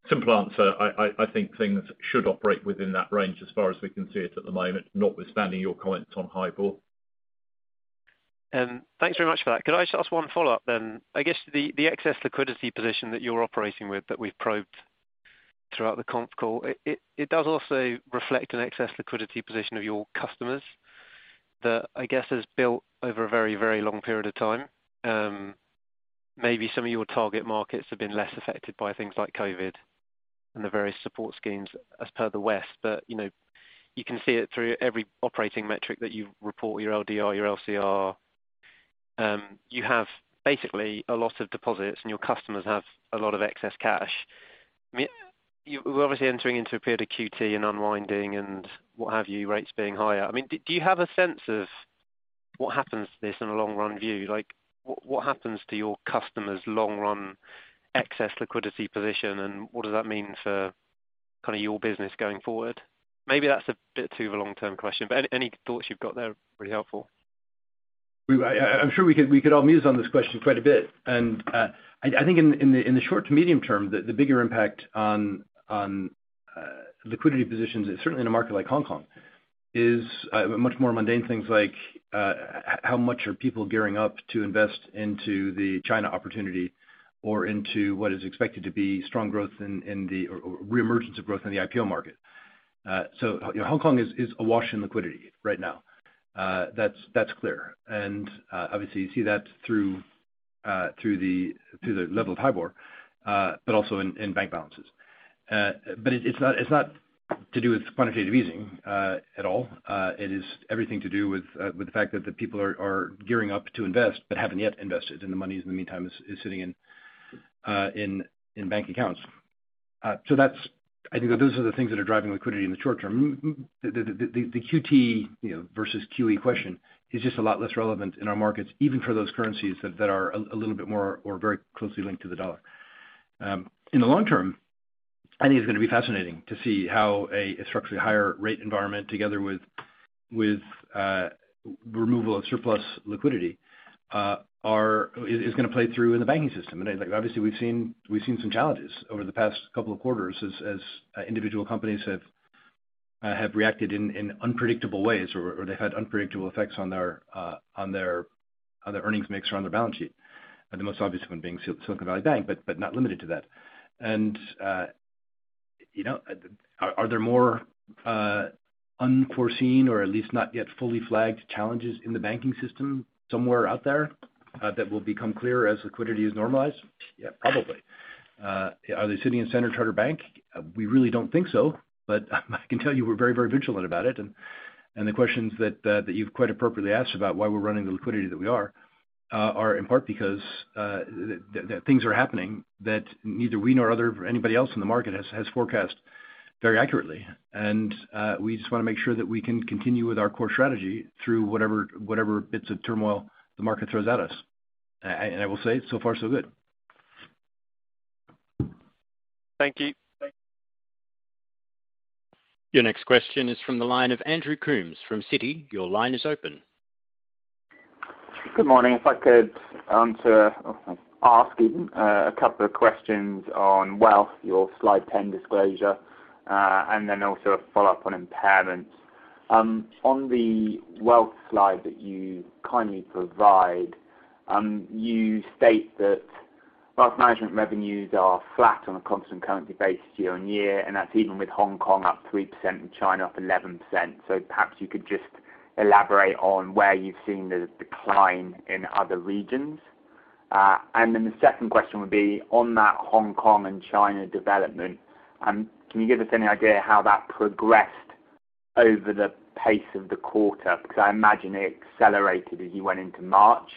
C: Simple answer, I think things should operate within that range as far as we can see it at the moment, notwithstanding your comments on HIBOR.
I: Thanks very much for that. Could I just ask one follow-up? I guess the excess liquidity position that you're operating with, that we've probed throughout the conf call, it does also reflect an excess liquidity position of your customers that I guess has built over a very long period of time. Maybe some of your target markets have been less affected by things like COVID and the various support schemes as per the West. You know, you can see it through every operating metric that you report, your LDR, your LCR. You have basically a lot of deposits, and your customers have a lot of excess cash. I mean, we're obviously entering into a period of QT and unwinding and what have you, rates being higher. I mean, do you have a sense of what happens to this in the long run view? Like what happens to your customers' long run excess liquidity position, and what does that mean for kind of your business going forward? Maybe that's a bit too of a long-term question, but any thoughts you've got there, pretty helpful.
B: I'm sure we could all muse on this question quite a bit. I think in the short to medium term, the bigger impact on liquidity positions is certainly in a market like Hong Kong, is much more mundane things like how much are people gearing up to invest into the China opportunity or into what is expected to be strong growth in the or re-emergence of growth in the IPO market. You know, Hong Kong is awash in liquidity right now. That's clear. Obviously you see that through the level of HIBOR, but also in bank balances. But it's not to do with quantitative easing at all. It is everything to do with the fact that the people are gearing up to invest but haven't yet invested, and the money in the meantime is sitting in bank accounts. I think that those are the things that are driving liquidity in the short term. The QT, you know, versus QE question is just a lot less relevant in our markets, even for those currencies that are a little bit more or very closely linked to the dollar. In the long term, I think it's gonna be fascinating to see how a structurally higher rate environment together with removal of surplus liquidity, is gonna play through in the banking system. Like obviously we've seen some challenges over the past couple of quarters as individual companies have reacted in unpredictable ways or they had unpredictable effects on their earnings mix or on their balance sheet. The most obvious one being Silicon Valley Bank, but not limited to that. You know, are there more unforeseen or at least not yet fully flagged challenges in the banking system somewhere out there that will become clear as liquidity is normalized? Yeah, probably. Are they sitting in Standard Chartered Bank? We really don't think so. I can tell you we're very, very vigilant about it and the questions that you've quite appropriately asked about why we're running the liquidity that we are are in part because that things are happening that neither we nor anybody else in the market has forecast very accurately. We just wanna make sure that we can continue with our core strategy through whatever bits of turmoil the market throws at us. I will say so far so good.
I: Thank you.
A: Your next question is from the line of Andrew Coombs from Citi. Your line is open.
J: Good morning. If I could answer... or ask even, a couple of questions on wealth, your slide 10 disclosure, and then also a follow-up on impairment. On the wealth slide that you kindly provide, you state that wealth management revenues are flat on a constant currency basis year-on-year, and that's even with Hong Kong up 3% and China up 11%. Perhaps you could just elaborate on where you've seen the decline in other regions. The second question would be on that Hong Kong and China development, can you give us any idea how that progressed over the pace of the quarter? I imagine it accelerated as you went into March.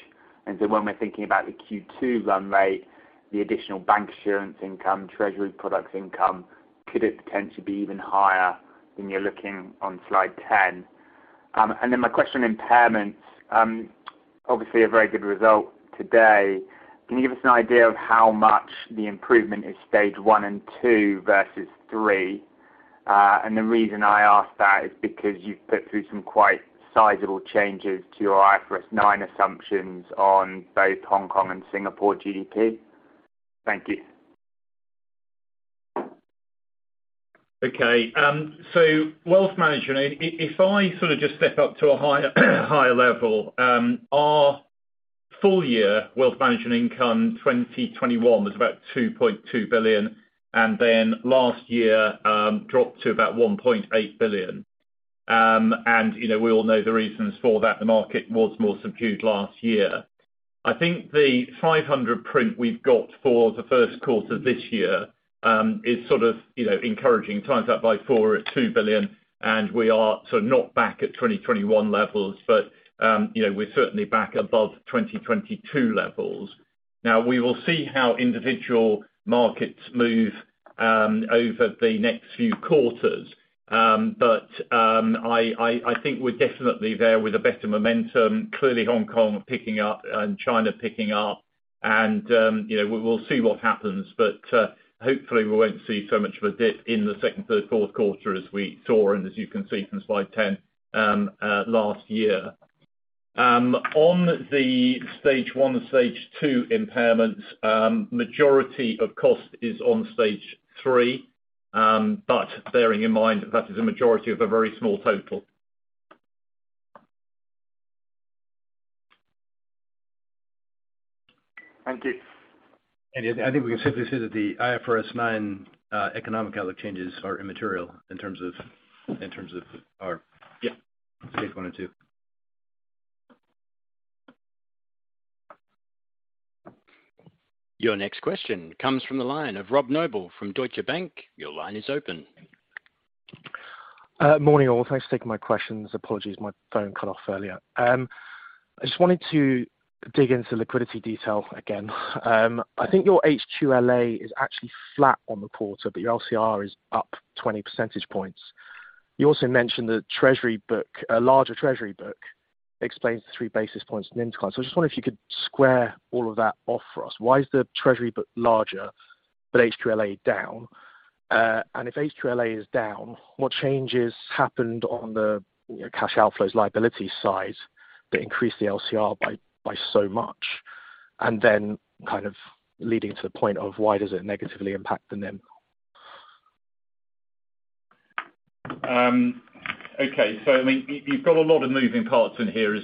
J: When we're thinking about the Q2 run rate, the additional bank assurance income, treasury products income, could it potentially be even higher than you're looking on slide 10? My question on impairments, obviously a very good result today. Can you give us an idea of how much the improvement is Stage 1 and 2 versus 3? The reason I ask that is because you've put through some quite sizable changes to your IFRS 9 assumptions on both Hong Kong and Singapore GDP. Thank you.
B: Okay. wealth management, if I sort of just step up to a higher level, our full year wealth management income 2021 was about $2.2 billion, and then last year, dropped to about $1.8 billion. You know, we all know the reasons for that. The market was more subdued last year. I think the $500 million print we've got for the first quarter this year, is sort of, you know, encouraging. Times that by 4, it's $2 billion, and we are sort of not back at 2021 levels, but, you know, we're certainly back above 2022 levels. We will see how individual markets move, over the next few quarters. I think we're definitely there with a better momentum. Clearly Hong Kong picking up and China picking up and, you know, we'll see what happens. Hopefully we won't see so much of a dip in the second, third, fourth quarter as we saw and as you can see from slide 10, last year. On the Stage 1, Stage 2 impairments, majority of cost is on Stage 3. Bearing in mind that is a majority of a very small total.
J: Thank you.
B: I think we can safely say that the IFRS 9 economic outlook changes are immaterial in terms of.
C: Yeah.
B: Stage 1 and 2.
A: Your next question comes from the line of Robert Noble from Deutsche Bank. Your line is open.
K: Morning, all. Thanks for taking my questions. Apologies, my phone cut off earlier. I just wanted to dig into liquidity detail again. I think your HQLA is actually flat on the quarter, your LCR is up 20 percentage points. You also mentioned the treasury book. A larger treasury book explains the 3 basis points in NIM. I just wonder if you could square all of that off for us. Why is the treasury book larger, HQLA down? If HQLA is down, what changes happened on the, you know, cash outflows liability side to increase the LCR by so much? Kind of leading to the point of why does it negatively impact the NIM?
C: Okay. I mean, you've got a lot of moving parts in here as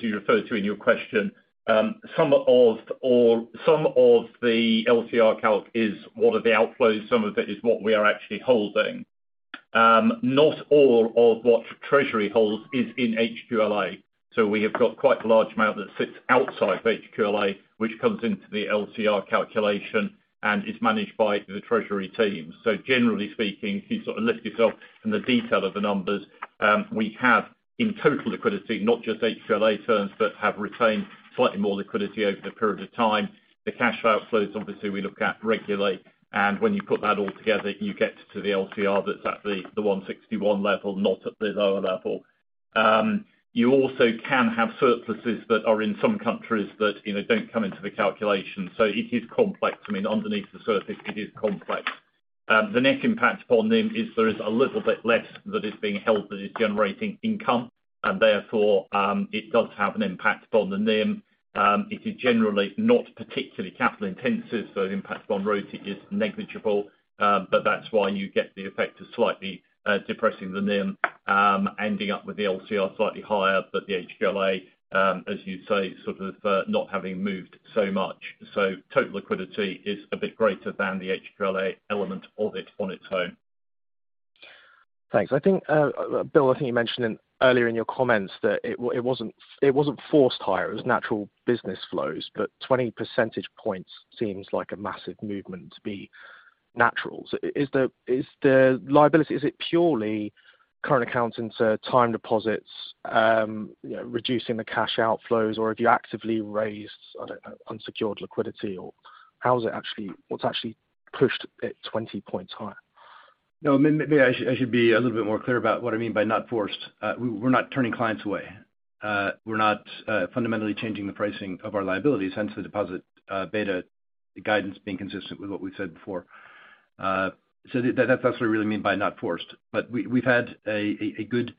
C: you refer to in your question. Some of the LCR calc is one of the outflows, some of it is what we are actually holding. Not all of what treasury holds is in HQLA. We have got quite a large amount that sits outside of HQLA, which comes into the LCR calculation and is managed by the treasury team. Generally speaking, to sort of lift yourself from the detail of the numbers, we have in total liquidity, not just HQLA terms, but have retained slightly more liquidity over the period of time. The cash outflows, obviously, we look at regularly. When you put that all together, you get to the LCR that's at the 161 level, not at the lower level. You also can have surpluses that are in some countries that, you know, don't come into the calculation. It is complex. I mean, underneath the surface it is complex. The net impact on NIM is there is a little bit less that is being held that is generating income, and therefore, it does have an impact on the NIM. It is generally not particularly capital intensive, so the impact on ROT is negligible, but that's why you get the effect of slightly depressing the NIM, ending up with the LCR slightly higher. The HQLA, as you say, sort of, not having moved so much. Total liquidity is a bit greater than the HQLA element of it on its own.
K: Thanks. I think, Bill, I think you mentioned earlier in your comments that it wasn't forced higher. It was natural business flows, but 20 percentage points seems like a massive movement to be natural. Is the, is the liability, is it purely current accounts into time deposits? You know, reducing the cash outflows, or have you actively raised, I don't know, unsecured liquidity? How is it actually, what's actually pushed it 20 points higher?
B: No, maybe I should be a little bit more clear about what I mean by not forced. We're not turning clients away. We're not fundamentally changing the pricing of our liability. Hence the deposit beta, the guidance being consistent with what we've said before. That's what we really mean by not forced. We've had a good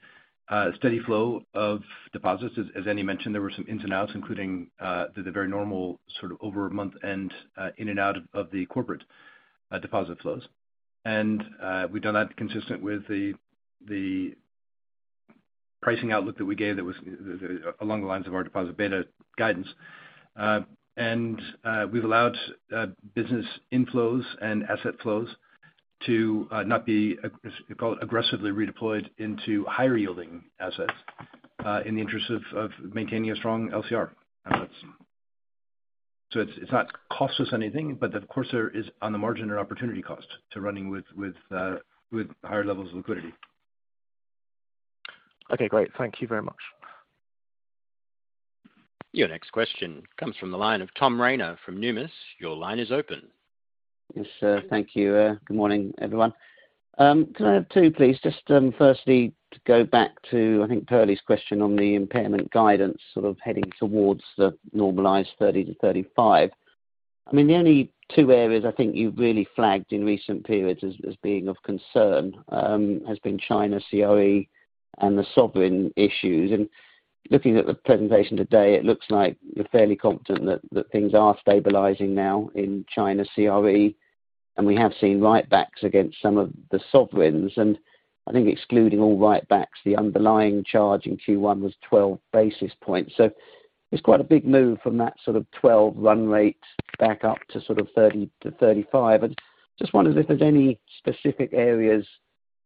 B: steady flow of deposits. As Andy mentioned, there were some ins and outs, including the very normal sort of over month and in and out of the corporate deposit flows. We've done that consistent with the pricing outlook that we gave that was along the lines of our deposit beta guidance. We've allowed, business inflows and asset flows to, not be, as we call it, aggressively redeployed into higher yielding assets, in the interest of maintaining a strong LCR. It's not cost us anything, but of course there is on the margin or opportunity cost to running with higher levels of liquidity.
K: Okay, great. Thank you very much.
A: Your next question comes from the line of Tom Rayner from Numis. Your line is open.
L: Yes, sir. Thank you. Good morning, everyone. Can I have two, please? Just, firstly, to go back to, I think Perlie's question on the impairment guidance, sort of heading towards the normalized 30-35. I mean, the only two areas I think you've really flagged in recent periods as being of concern has been China CRE and the sovereign issues. Looking at the presentation today, it looks like you're fairly confident that things are stabilizing now in China CRE, and we have seen write backs against some of the sovereigns. I think excluding all write backs, the underlying charge in Q1 was 12 basis points. It's quite a big move from that sort of 12 run rate back up to sort of 30-35. Just wonder if there's any specific areas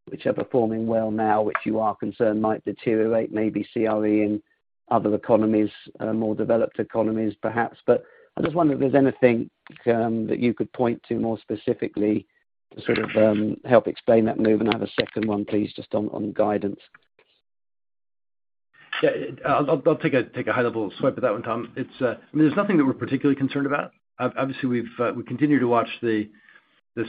L: which are performing well now which you are concerned might deteriorate, maybe CRE in other economies, more developed economies perhaps. I just wonder if there's anything that you could point to more specifically to sort of, help explain that move. I have a second one, please, just on guidance.
B: Yeah. I'll take a high level swipe at that one, Tom. I mean, there's nothing that we're particularly concerned about. Obviously, we've, we continue to watch the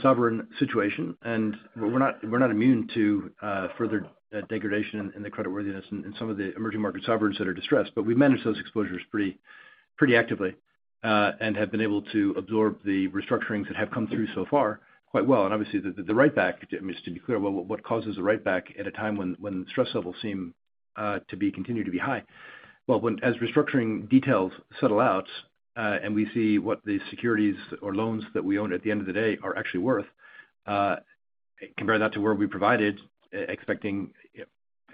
B: sovereign situation, and we're not, we're not immune to further degradation in the credit worthiness in some of the emerging market sovereigns that are distressed. We manage those exposures pretty actively, and have been able to absorb the restructurings that have come through so far quite well. Obviously the write back, just to be clear, what causes a write back at a time when stress levels seem to be continue to be high? Well, as restructuring details settle out and we see what the securities or loans that we own at the end of the day are actually worth, compare that to where we provided expecting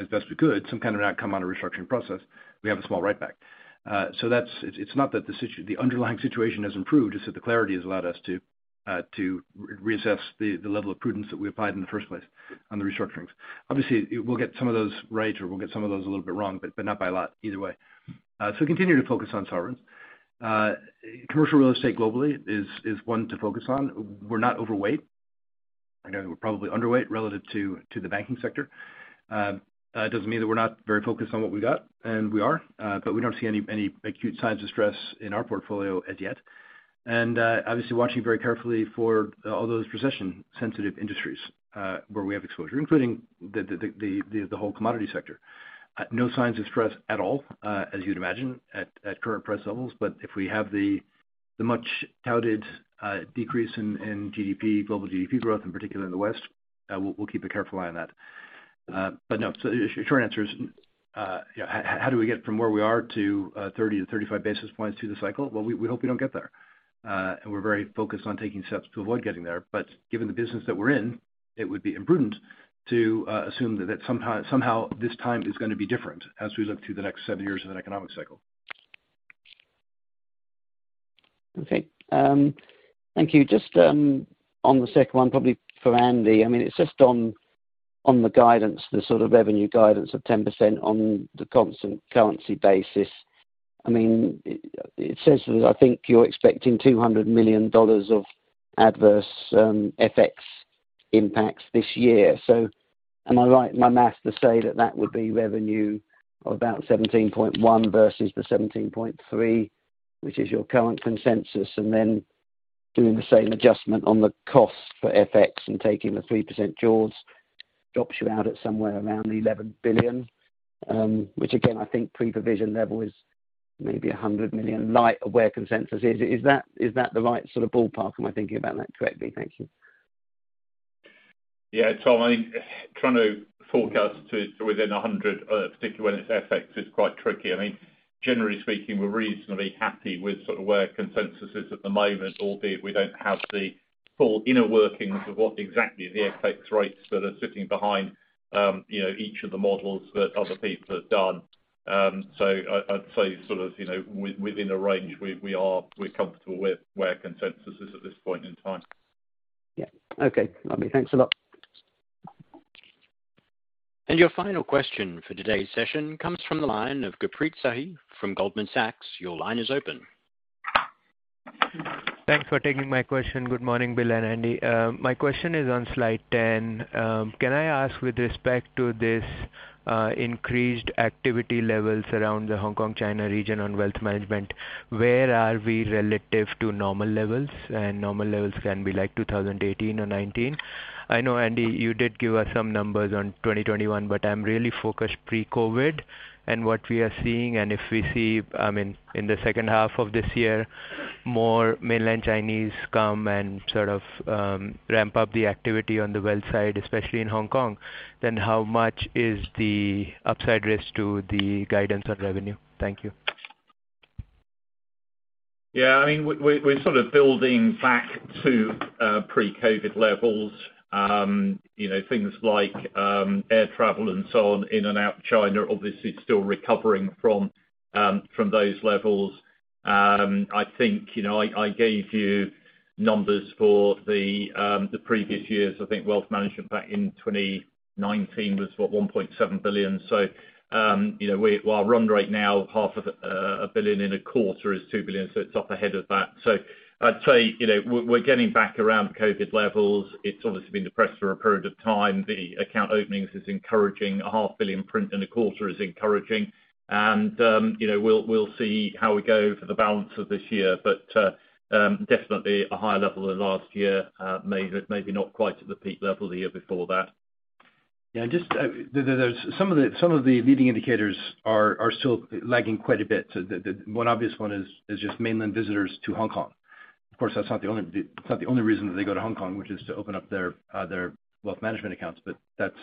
B: as best we could some kind of outcome on a restructuring process, we have a small write back. That's. It's not that the underlying situation has improved, it's that the clarity has allowed us to reassess the level of prudence that we applied in the first place on the restructurings. Obviously, we'll get some of those right or we'll get some of those a little bit wrong, but not by a lot either way. We continue to focus on sovereigns. Commercial real estate globally is one to focus on. We're not overweight. I know we're probably underweight relative to the banking sector. Doesn't mean that we're not very focused on what we got, and we are, but we don't see any acute signs of stress in our portfolio as yet. Obviously watching very carefully for all those recession sensitive industries where we have exposure, including the whole commodity sector. No signs of stress at all, as you'd imagine at current price levels. If we have the much touted decrease in GDP, global GDP growth in particular in the West, we'll keep a careful eye on that. No. The short answer is, you know, how do we get from where we are to 30 to 35 basis points through the cycle? We hope we don't get there. We're very focused on taking steps to avoid getting there. Given the business that we're in, it would be imprudent to assume that somehow this time is gonna be different as we look to the next 7 years of an economic cycle.
L: Okay. Thank you. Just on the second one, probably for Andy. I mean, it's just on the guidance, the sort of revenue guidance of 10% on the constant currency basis. I mean, it says that I think you're expecting $200 million of adverse FX impacts this year. Am I right in my math to say that that would be revenue of about $17.1 billion versus the $17.3 billion, which is your current consensus? Then doing the same adjustment on the cost for FX and taking the 3% jaws drops you out at somewhere around $11 billion. Which again I think pre-provision level is maybe $100 million light of where consensus is. Is that the right sort of ballpark? Am I thinking about that correctly? Thank you.
C: Tom, I think trying to forecast to within 100, particularly when it's FX, is quite tricky. I mean, generally speaking, we're reasonably happy with sort of where consensus is at the moment, albeit we don't have the full inner workings of what exactly the FX rates that are sitting behind, you know, each of the models that other people have done. I'd say sort of, you know, within a range, we are, we're comfortable with where consensus is at this point in time.
L: Yeah. Okay. Lovely. Thanks a lot.
A: Your final question for today's session comes from the line of Gurpreet Sahi from Goldman Sachs. Your line is open.
M: Thanks for taking my question. Good morning, Bill and Andy. My question is on slide 10. Can I ask, with respect to this increased activity levels around the Hong Kong, China region on wealth management, where are we relative to normal levels? Normal levels can be like 2018 or 2019. I know, Andy, you did give us some numbers on 2021, but I'm really focused pre-COVID and what we are seeing. If we see, I mean, in the second half of this year, more mainland Chinese come and sort of ramp up the activity on the wealth side, especially in Hong Kong, then how much is the upside risk to the guidance on revenue? Thank you.
C: I mean, we're sort of building back to pre-COVID levels. You know, things like air travel and so on in and out of China obviously still recovering from those levels. I think, you know, I gave you numbers for the previous years. I think wealth management back in 2019 was, what, $1.7 billion. You know, we're run rate now half of a billion in a quarter is $2 billion, it's up ahead of that. I'd say, you know, we're getting back around COVID levels. It's obviously been depressed for a period of time. The account openings is encouraging. A half billion print in a quarter is encouraging. You know, we'll see how we go for the balance of this year. Definitely a higher level than last year. Maybe not quite at the peak level the year before that.
B: Just, there's some of the leading indicators are still lagging quite a bit. The one obvious one is just mainland visitors to Hong Kong. Of course, that's not the only reason that they go to Hong Kong, which is to open up their wealth management accounts. That's.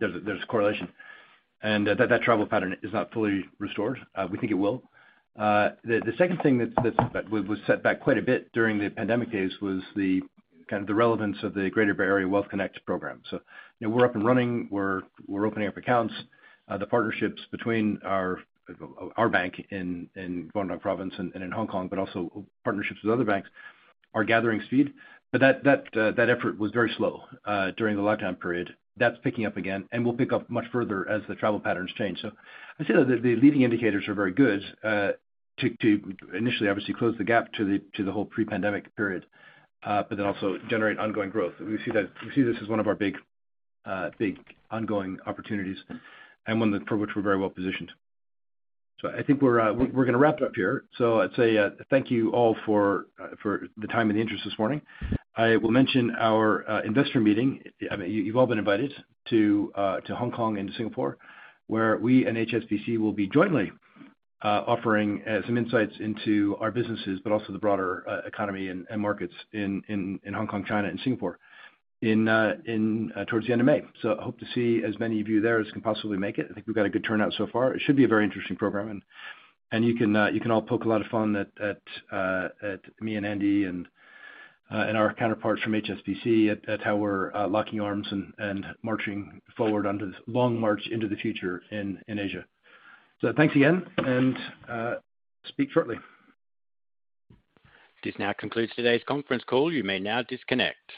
B: There's correlation. That travel pattern is not fully restored. We think it will. The second thing that's, that was set back quite a bit during the pandemic days was the kind of the relevance of the Greater Bay Area Wealth Connect program. You know, we're up and running. We're opening up accounts. The partnerships between our bank in Guangdong Province and in Hong Kong, but also partnerships with other banks are gathering speed. That effort was very slow during the lockdown period. That's picking up again and will pick up much further as the travel patterns change. I'd say that the leading indicators are very good to initially obviously close the gap to the whole pre-pandemic period, but then also generate ongoing growth. We see this as one of our big, big ongoing opportunities and one that for which we're very well positioned. I think we're gonna wrap it up here. I'd say, thank you all for the time and the interest this morning. I will mention our investor meeting. I mean, you've all been invited to Hong Kong and to Singapore, where we and HSBC will be jointly offering some insights into our businesses, but also the broader economy and markets in Hong Kong, China, and Singapore towards the end of May. I hope to see as many of you there as can possibly make it. I think we've got a good turnout so far. It should be a very interesting program and you can all poke a lot of fun at me and Andy and our counterparts from HSBC at how we're locking arms and marching forward under this long march into the future in Asia. Thanks again, and speak shortly.
A: This now concludes today's conference call. You may now disconnect.